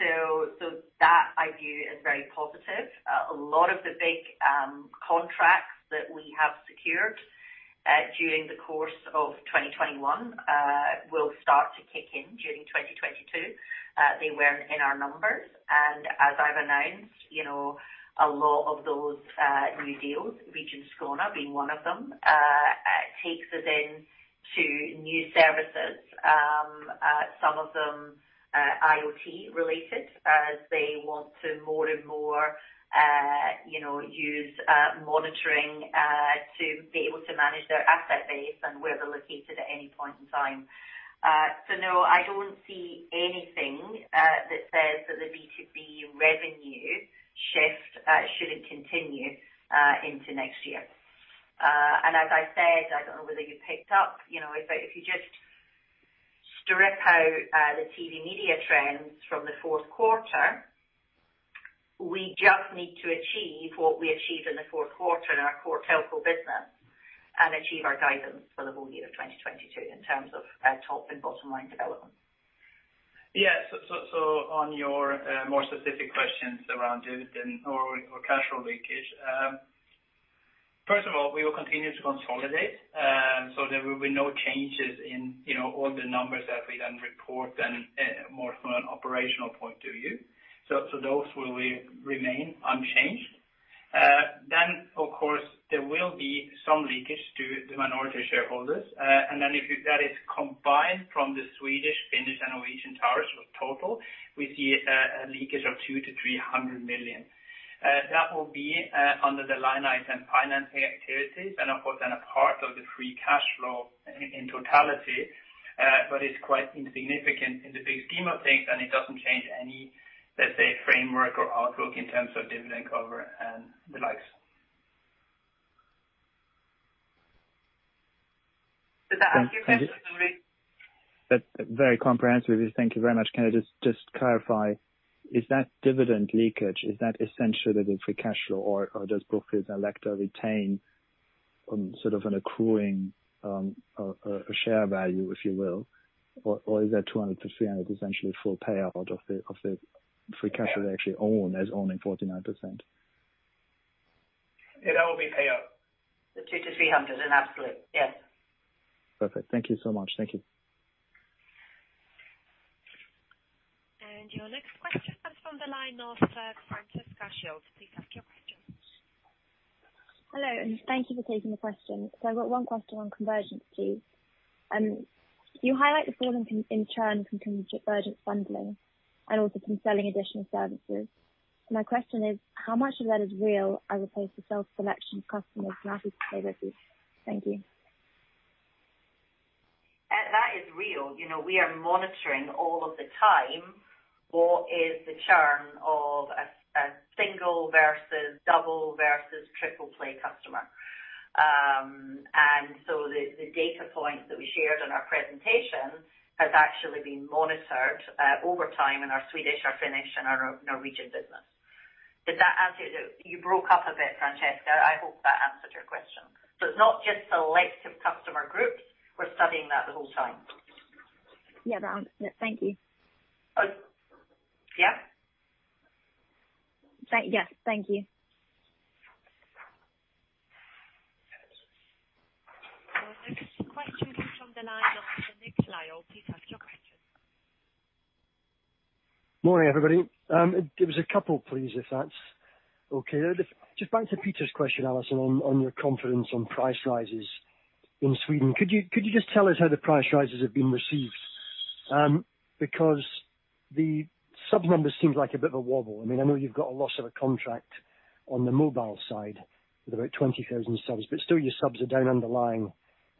[SPEAKER 2] So that I view as very positive. A lot of the big contracts that we have secured during the course of 2021 will start to kick in during 2022. They weren't in our numbers. As I've announced, you know, a lot of those new deals, Region Skåne being one of them, takes us into new services, some of them IoT related, as they want to more and more, you know, use monitoring to be able to manage their asset base and where they're located at any point in time. No, I don't see anything that says that the B2B revenue shift shouldn't continue into next year. As I said, I don't know whether you picked up, you know, if you just strip out the TV media trends from the fourth quarter, we just need to achieve what we achieved in the fourth quarter in our core telco business and achieve our guidance for the whole year of 2022 in terms of top- and bottom-line development.
[SPEAKER 3] On your more specific questions around dividend or cash flow leakage. First of all, we will continue to consolidate. There will be no changes in, you know, all the numbers that we then report, more from an operational point of view. Those will remain unchanged. Of course, there will be some leakage to the minority shareholders. If that is combined from the Swedish, Finnish, and Norwegian towers total, we see a leakage of 200 million-300 million. That will be under the line item financing activities and, of course, a part of the free cash flow in totality. It's quite insignificant in the big scheme of things, and it doesn't change any, let's say, framework or outlook in terms of dividend cover and the likes.
[SPEAKER 2] Did that answer your question, Ulrich Rathe?
[SPEAKER 11] That's very comprehensive. Thank you very much. Can I just clarify, is that dividend leakage essentially the free cash flow, or does Brookfield elect to retain sort of an accruing share value, if you will? Or is that 200 million million-300 essentially full payout of the free cash they actually own as owning 49%?
[SPEAKER 3] Yeah, that will be payout.
[SPEAKER 2] The 200 million-300 million is absolute. Yes.
[SPEAKER 11] Perfect. Thank you so much. Thank you.
[SPEAKER 1] Your next question comes from the line of, Francesca Schild. Please ask your question.
[SPEAKER 13] Hello, and thank you for taking the question. I've got one question on convergence please. You highlight the fall in convergence churn from convergence bundling and also from selling additional services. My question is, how much of that is real as opposed to self-selection of customers not prepared with you? Thank you.
[SPEAKER 2] That is real. You know, we are monitoring all of the time what is the churn of a single versus double versus triple-play customer. The data point that we shared on our presentation has actually been monitored over time in our Swedish, our Finnish, and our Norwegian business. Did that answer your question. You broke up a bit, Francesca. I hope that answered your question. It's not just selective customer groups. We're studying that the whole time.
[SPEAKER 13] Yeah, that answered it. Thank you.
[SPEAKER 2] Oh. Yeah.
[SPEAKER 13] Thank you.
[SPEAKER 1] Our next question comes from the line of Nick Lyall. Please ask your question.
[SPEAKER 14] Morning, everybody. Give us a couple please, if that's okay. Just back to Peter question, Allison, on your confidence on price rises in Sweden. Could you just tell us how the price rises have been received? Because the sub-numbers seem like a bit of a wobble. I mean, I know you've got a loss of a contract on the mobile side with about 20,000 subs, but still your subs are down underlying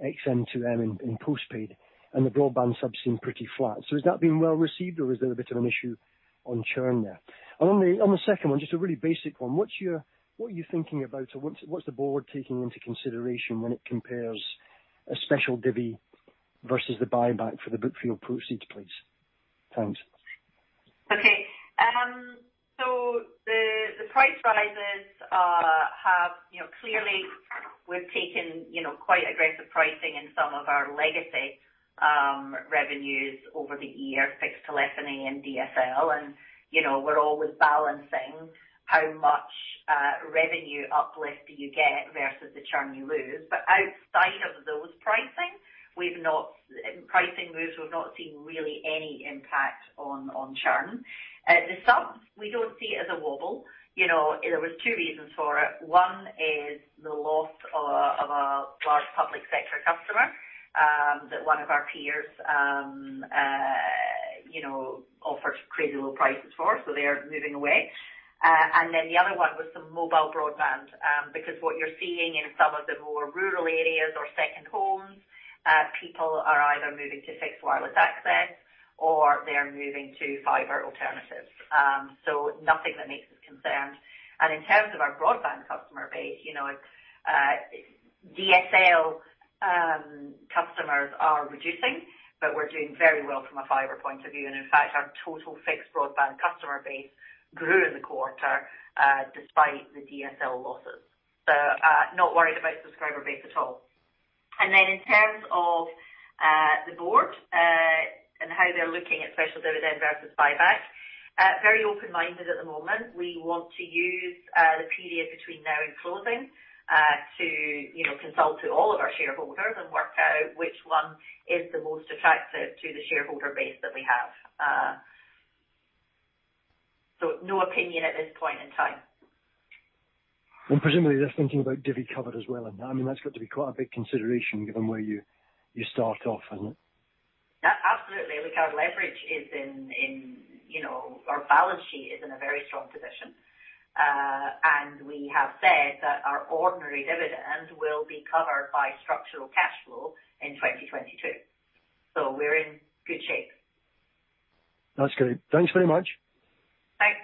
[SPEAKER 14] XN to M in post-paid, and the broadband subs seem pretty flat. Has that been well received, or is there a bit of an issue on churn there? And on the second one, just a really basic one. What's your... What are you thinking about, or what's the board taking into consideration when it compares a special dividend versus the buyback for the Brookfield proceeds, please? Thanks.
[SPEAKER 2] Okay. The price rises have, you know, clearly we've taken, you know, quite aggressive pricing in some of our legacy revenues over the year, fixed telephony and DSL. You know, we're always balancing how much revenue uplift you get versus the churn you lose. Outside of those pricing moves, we've not seen really any impact on churn. The subs, we don't see it as a wobble. You know, there was two reasons for it. One is the loss of a large public sector customer that one of our peers you know offered crazy low prices for, so they're moving away. Then the other one was some mobile broadband, because what you're seeing in some of the more rural areas or second homes, people are either moving to fixed wireless access or they're moving to fiber alternatives. Nothing that makes us concerned. In terms of our broadband customer base, you know, DSL customers are reducing, but we're doing very well from a fiber point of view. In fact, our total fixed broadband customer base grew in the quarter, despite the DSL losses. Not worried about subscriber base at all. In terms of the Board and how they're looking at special dividend versus buyback, very open-minded at the moment. We want to use the period between now and closing to, you know, consult to all of our shareholders and work out which one is the most attractive to the shareholder base that we have. No opinion at this point in time.
[SPEAKER 14] Presumably, they're thinking about dividend cover as well. I mean, that's got to be quite a big consideration given where you start off, isn't it?
[SPEAKER 2] That absolutely. Like, our leverage is in you know, our balance sheet is in a very strong position. We have said that our ordinary dividend will be covered by structural cash flow in 2022. We're in good shape.
[SPEAKER 14] That's good. Thanks very much.
[SPEAKER 2] Thanks.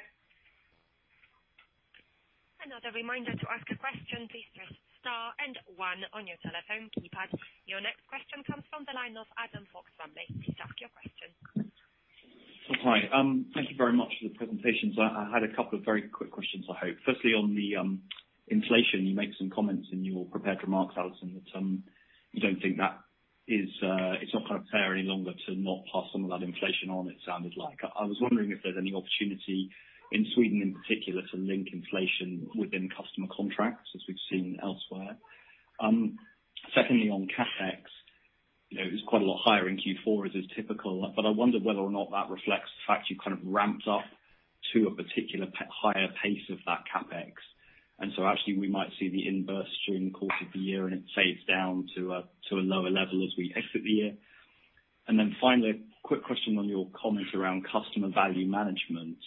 [SPEAKER 1] Your next question comes from the line of Adam Fox-Rumley from HSBC. Please ask your question.
[SPEAKER 15] Hi. Thank you very much for the presentations. I had a couple of very quick questions, I hope. First, on the inflation, you make some comments in your prepared remarks, Allison, that you don't think that it's not gonna fare any longer to not pass some of that inflation on, it sounded like. I was wondering if there's any opportunity in Sweden in particular to link inflation within customer contracts as we've seen elsewhere. Second, on CapEx, you know, it was quite a lot higher in Q4 as is typical, but I wondered whether or not that reflects the fact you kind of ramped up to a particular higher pace of that CapEx. So actually we might see the inverse during the course of the year, and it fades down to a lower level as we exit the year. Then finally, quick question on your comment around customer value management.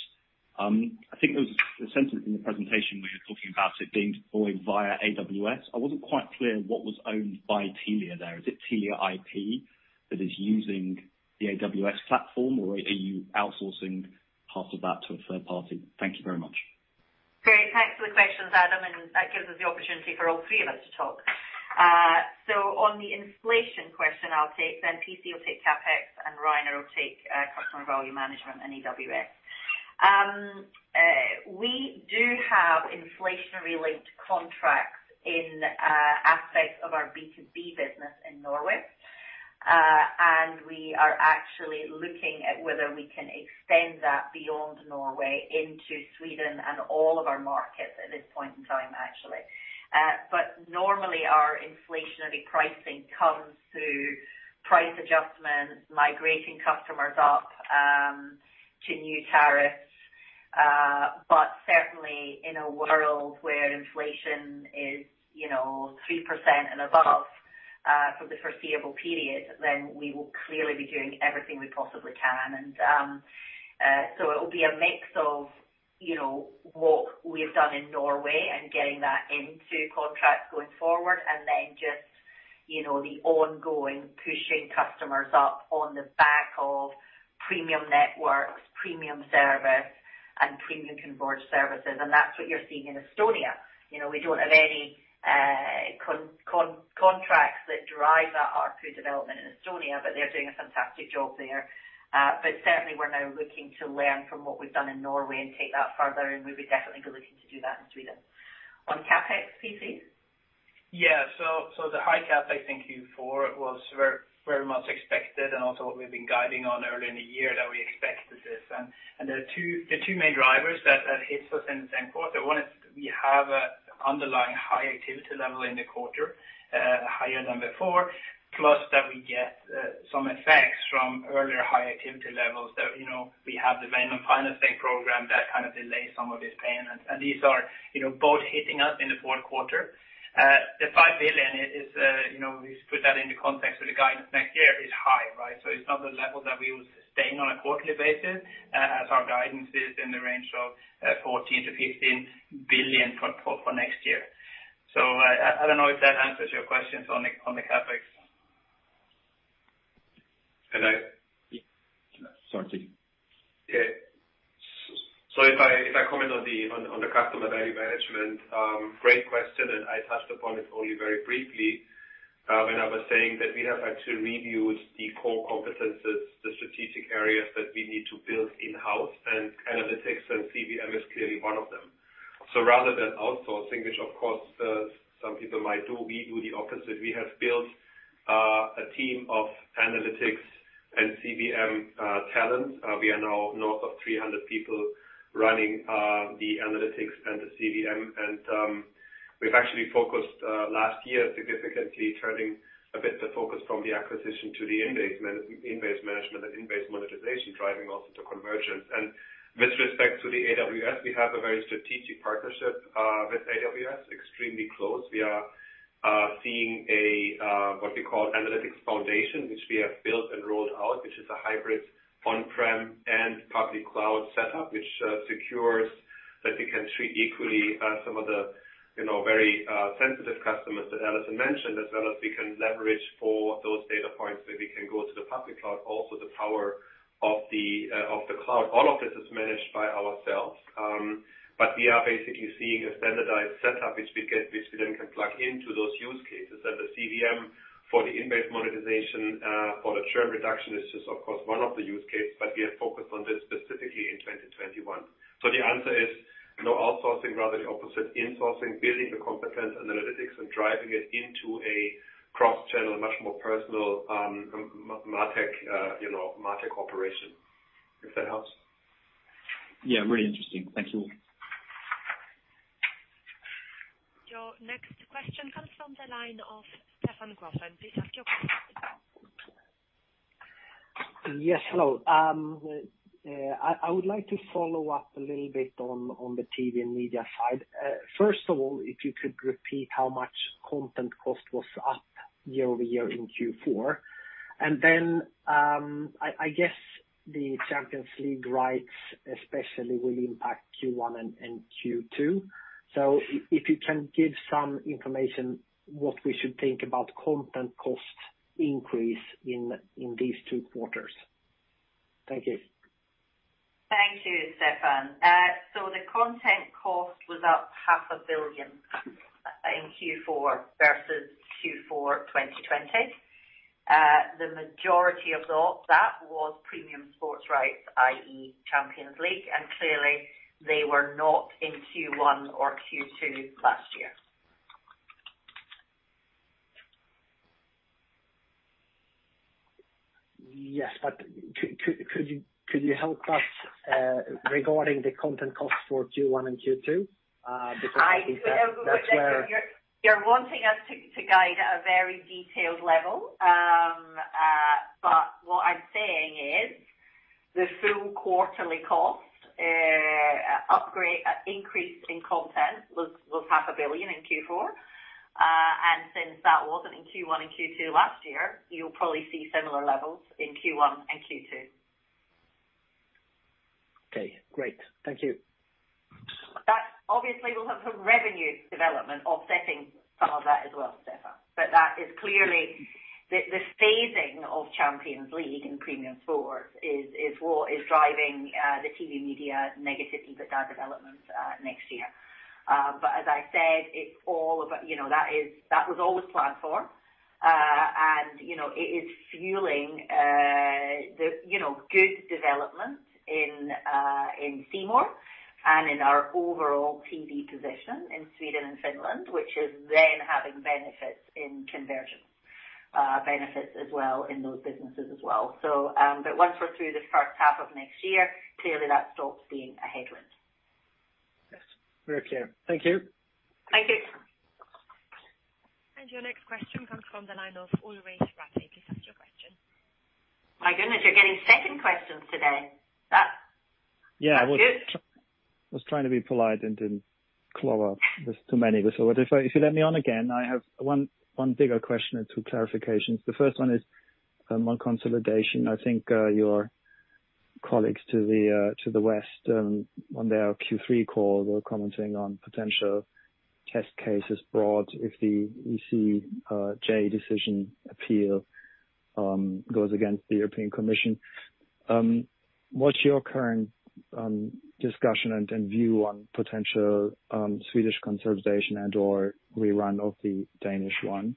[SPEAKER 15] I think there was a sentence in the presentation where you're talking about it being deployed via AWS. I wasn't quite clear what was owned by Telia there. Is it Telia IP that is using the AWS platform, or are you outsourcing part of that to a third party? Thank you very much.
[SPEAKER 2] Great. Thanks for the questions, Adam, and that gives us the opportunity for all three of us to talk. On the inflation question, I'll take, then PC will take CapEx, and Rainer will take customer value management and AWS. We do have inflation-linked contracts in aspects of our B2B business in Norway. We are actually looking at whether we can extend that beyond Norway into Sweden and all of our markets at this point in time, actually. Normally our inflationary pricing comes through price adjustments, migrating customers up to new tariffs. Certainly in a world where inflation is, you know, 3% and above for the foreseeable period, then we will clearly be doing everything we possibly can. It'll be a mix of, you know, what we have done in Norway and getting that into contracts going forward, and then just, you know, the ongoing pushing customers up on the back of premium networks, premium service and premium converged services. That's what you're seeing in Estonia. You know, we don't have any contracts that drive that ARPU development in Estonia, but they're doing a fantastic job there. Certainly we're now looking to learn from what we've done in Norway and take that further, and we'll definitely be looking to do that in Sweden. On CapEx, PC?
[SPEAKER 3] The high CapEx in Q4 was very much expected and also what we've been guiding on early in the year that we expected this. There are two main drivers that hits us in the same quarter. One is we have a underlying high activity level in the quarter, higher than before, plus that we get some effects from earlier high activity levels that, you know, we have the vendor financing program that kind of delays some of this payment. These are, you know, both hitting us in the fourth quarter. The 5 billion is, you know, we put that into context with the guidance next year is high, right? It's not the level that we will sustain on a quarterly basis, as our guidance is in the range of 14 billion-15 billion for next year. I don't know if that answers your questions on the CapEx.
[SPEAKER 2] Can I-
[SPEAKER 15] Sorry.
[SPEAKER 4] If I comment on the customer value management, great question, I touched upon it only very briefly when I was saying that we have had to review the core competencies, the strategic areas that we need to build in-house and analytics, and CVM is clearly one of them. Rather than outsourcing, which of course some people might do, we do the opposite. We have built a team of analytics and CVM talent. We are now north of 300 people running the analytics and the CVM. We've actually focused last year significantly turning a bit of the focus from the acquisition to the in-base management and in-base monetization, driving also to conversions. With respect to the AWS, we have a very strategic partnership with AWS, extremely close. We are seeing what we call analytics sponge. Foundation, which we have built and rolled out, which is a hybrid on-prem and public cloud setup, which secures that we can treat equally some of the you know very sensitive customers that Allison mentioned, as well as we can leverage for those data points that we can go to the public cloud, also the power of the cloud. All of this is managed by ourselves. We are basically seeing a standardized setup which we get, which we then can plug into those use cases. The CVM for the invoice monetization for the churn reduction is just, of course, one of the use case, but we are focused on this specifically in 2021. The answer is no outsourcing, rather the opposite, insourcing, building the competence, analytics, and driving it into a cross-channel, much more personal, martech, you know, martech operation, if that helps.
[SPEAKER 15] Yeah, really interesting. Thank you.
[SPEAKER 1] Your next question comes from the line of Stefan Gauffin. Please ask your question.
[SPEAKER 6] Yes. Hello. I would like to follow up a little bit on the TV and media side. First of all, if you could repeat how much content cost was up year-over-year in Q4. I guess the Champions League rights especially will impact Q1 and Q2. If you can give some information what we should think about content cost increase in these two quarters. Thank you.
[SPEAKER 2] Thank you, Stefan. The content cost was up 500,00 in Q4 versus Q4 2020. The majority of that was premium sports rights, i.e. Champions League, and clearly they were not in Q1 or Q2 last year.
[SPEAKER 6] Could you help us regarding the content cost for Q1 and Q2? Because I think that-
[SPEAKER 2] I
[SPEAKER 6] That's where.
[SPEAKER 2] You're wanting us to guide at a very detailed level. What I'm saying is the full quarterly cost upgrade increase in content was 500,000 in Q4. Since that wasn't in Q1 and Q2 last year, you'll probably see similar levels in Q1 and Q2.
[SPEAKER 6] Okay, great. Thank you.
[SPEAKER 2] That obviously will have some revenue development offsetting some of that as well, Stefan. That is clearly the phasing of Champions League in premium sports is what is driving the TV media negative EBITDA development next year. As I said, it's all about. You know, that was always planned for, and, you know, it is fueling the you know good development in C More and in our overall TV position in Sweden and Finland, which is then having benefits in conversions, benefits as well in those businesses as well. Once we're through the first half of next year, clearly that stops being a headwind.
[SPEAKER 6] Yes. Very clear. Thank you.
[SPEAKER 2] Thank you.
[SPEAKER 1] Your next question comes from the line of Ulrich Rathe. Please ask your question.
[SPEAKER 11] My goodness, you're getting second questions today.
[SPEAKER 2] Yeah. That's good.
[SPEAKER 11] I was trying to be polite and didn't clobber. There's too many of us. What if I. If you let me on again, I have one bigger question and two clarifications. The first one is on consolidation. I think your colleagues to the west on their Q3 call were commenting on potential test cases brought if the ECJ decision appeal goes against the European Commission. What's your current discussion and view on potential Swedish consolidation and/or rerun of the Danish one?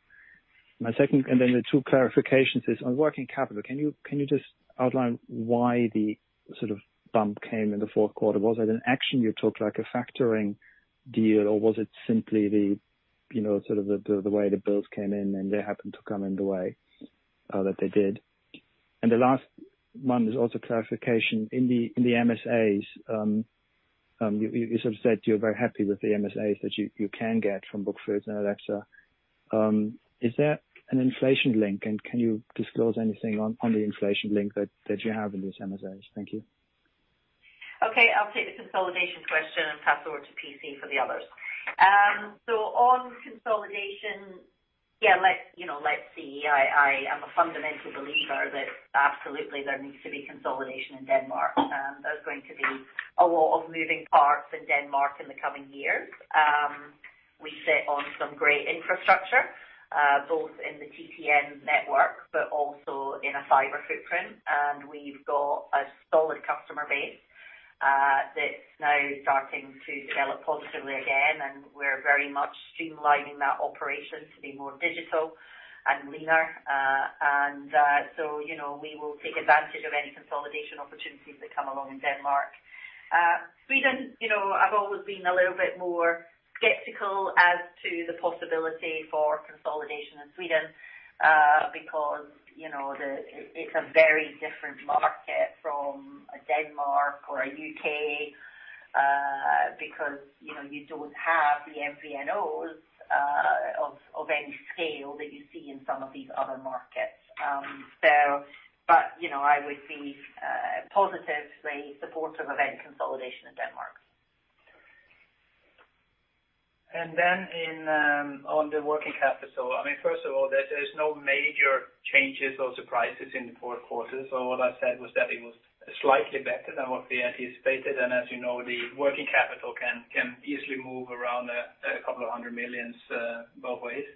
[SPEAKER 11] Then the two clarifications is on working capital. Can you just outline why the sort of bump came in the fourth quarter? Was it an action you took like a factoring deal, or was it simply the way the bills came in and they happened to come in the way that they did? The last one is also clarification. In the MSAs, you sort of said you're very happy with the MSAs that you can get from Brookfield and Alecta. Is there an inflation link, and can you disclose anything on the inflation link that you have in these MSAs? Thank you.
[SPEAKER 2] Okay. I'll take the consolidation question and pass over to PC for the others. On consolidation, yeah, you know, let's see. I am a fundamental believer that absolutely there needs to be consolidation in Denmark. There's going to be a lot of moving parts in Denmark in the coming years. We sit on some great infrastructure, both in the TPN network, but also in a fiber footprint, and we've got a solid customer base, that's now starting to develop positively again, and we're very much streamlining that operation to be more digital and leaner. And so, you know, we will take advantage of any consolidation opportunities that come along in Denmark. Sweden, you know, I've always been a little bit more skeptical as to the possibility for consolidation in Sweden, because, you know, the It's a very different market from Denmark or the U.K., because you know you don't have the MVNOs of any scale that you see in some of these other markets. You know, I would be positively supportive of any consolidation in Denmark.
[SPEAKER 3] Then, on the working capital. I mean, first of all, there's no major changes or surprises in the fourth quarter. What I said was that it was slightly better than what we anticipated. As you know, the working capital can easily move around a couple of hundred million both ways.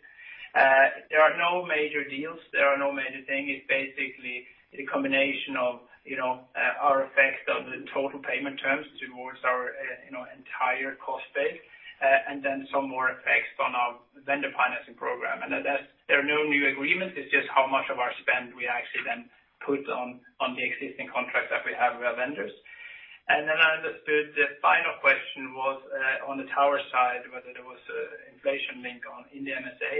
[SPEAKER 3] There are no major deals. There are no major things. It's basically a combination of, you know, the effect of the total payment terms toward our, you know, entire cost base, and then some more effects on our vendor financing program. That's there are no new agreements. It's just how much of our spend we actually then put on the existing contracts that we have with our vendors. I understood the final question was on the tower side, whether there was an inflation link in the MSA,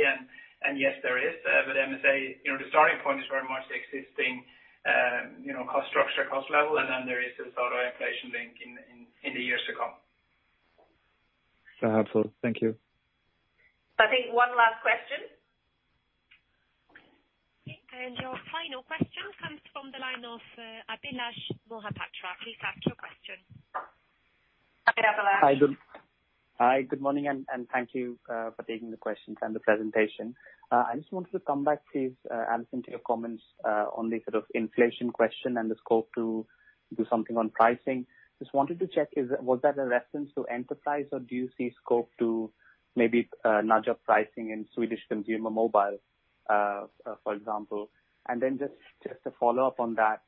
[SPEAKER 3] and yes, there is. But MSA, you know, the starting point is very much the existing cost structure, cost level. Then there is a sort of inflation link in the years to come.
[SPEAKER 11] Absolutely. Thank you.
[SPEAKER 2] I think one last question.
[SPEAKER 1] Okay. Your final question comes from the line of Abhilash Mohapatra. Please ask your question.
[SPEAKER 2] Abhilash.
[SPEAKER 16] Hi, good morning, and thank you for taking the questions and the presentation. I just wanted to come back, please, Allison, to your comments on the sort of inflation question and the scope to do something on pricing. Just wanted to check, is that a reference to enterprise, or do you see scope to maybe nudge up pricing in Swedish consumer mobile, for example? To follow up on that,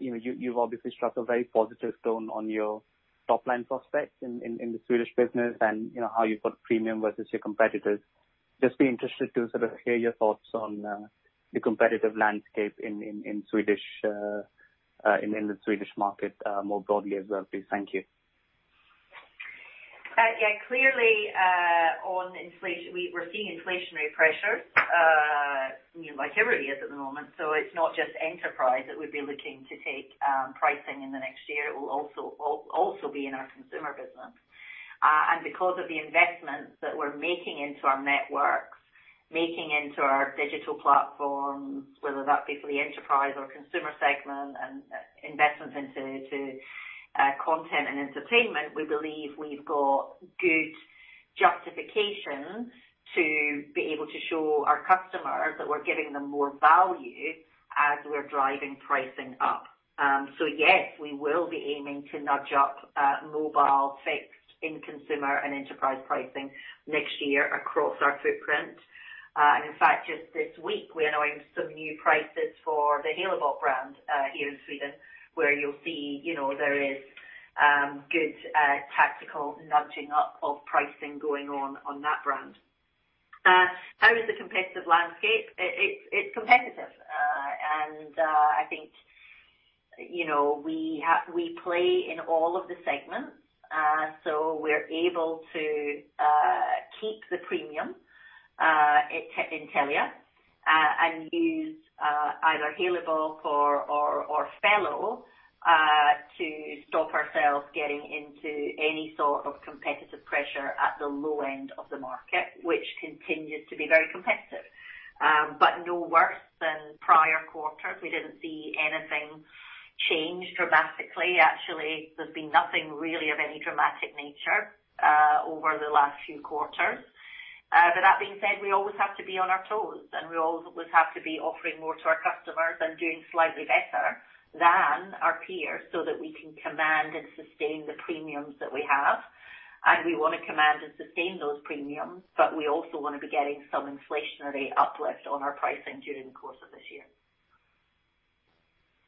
[SPEAKER 16] you know, you've obviously struck a very positive tone on your top line prospects in the Swedish business and, you know, how you've got premium versus your competitors. Just be interested to sort of hear your thoughts on the competitive landscape in the Swedish market more broadly as well, please. Thank you.
[SPEAKER 2] Yeah. Clearly, on inflation, we're seeing inflationary pressures, you know, like everybody is at the moment. It's not just enterprise that we'd be looking to take pricing in the next year. It will also be in our consumer business. Because of the investments that we're making into our networks, making into our digital platforms, whether that be for the enterprise or consumer segment and investments into content and entertainment, we believe we've got good justification to be able to show our customers that we're giving them more value as we're driving pricing up. Yes, we will be aiming to nudge up mobile fixed in consumer and enterprise pricing next year across our footprint. In fact, just this week, we're announcing some new prices for the Halebop brand here in Sweden, where you'll see, you know, there is good tactical nudging up of pricing going on on that brand. How is the competitive landscape? It's competitive. I think, you know, we play in all of the segments, so we're able to keep the premium in Telia and use either Halebop or Fello to stop ourselves getting into any sort of competitive pressure at the low end of the market, which continues to be very competitive. No worse than prior quarters. We didn't see anything change dramatically. Actually, there's been nothing really of any dramatic nature over the last few quarters. that being said, we always have to be on our toes, and we always have to be offering more to our customers and doing slightly better than our peers so that we can command and sustain the premiums that we have. We wanna command and sustain those premiums, but we also wanna be getting some inflationary uplift on our pricing during the course of this year.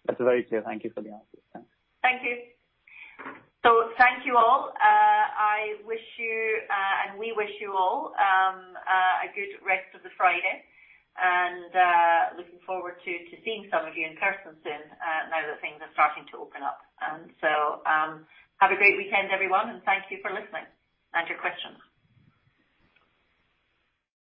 [SPEAKER 16] That's very clear. Thank you for the answers. Thanks.
[SPEAKER 2] Thank you. Thank you all. We wish you all a good rest of the Friday. Looking forward to seeing some of you in person soon, now that things are starting to open up. Have a great weekend, everyone, and thank you for listening and your questions.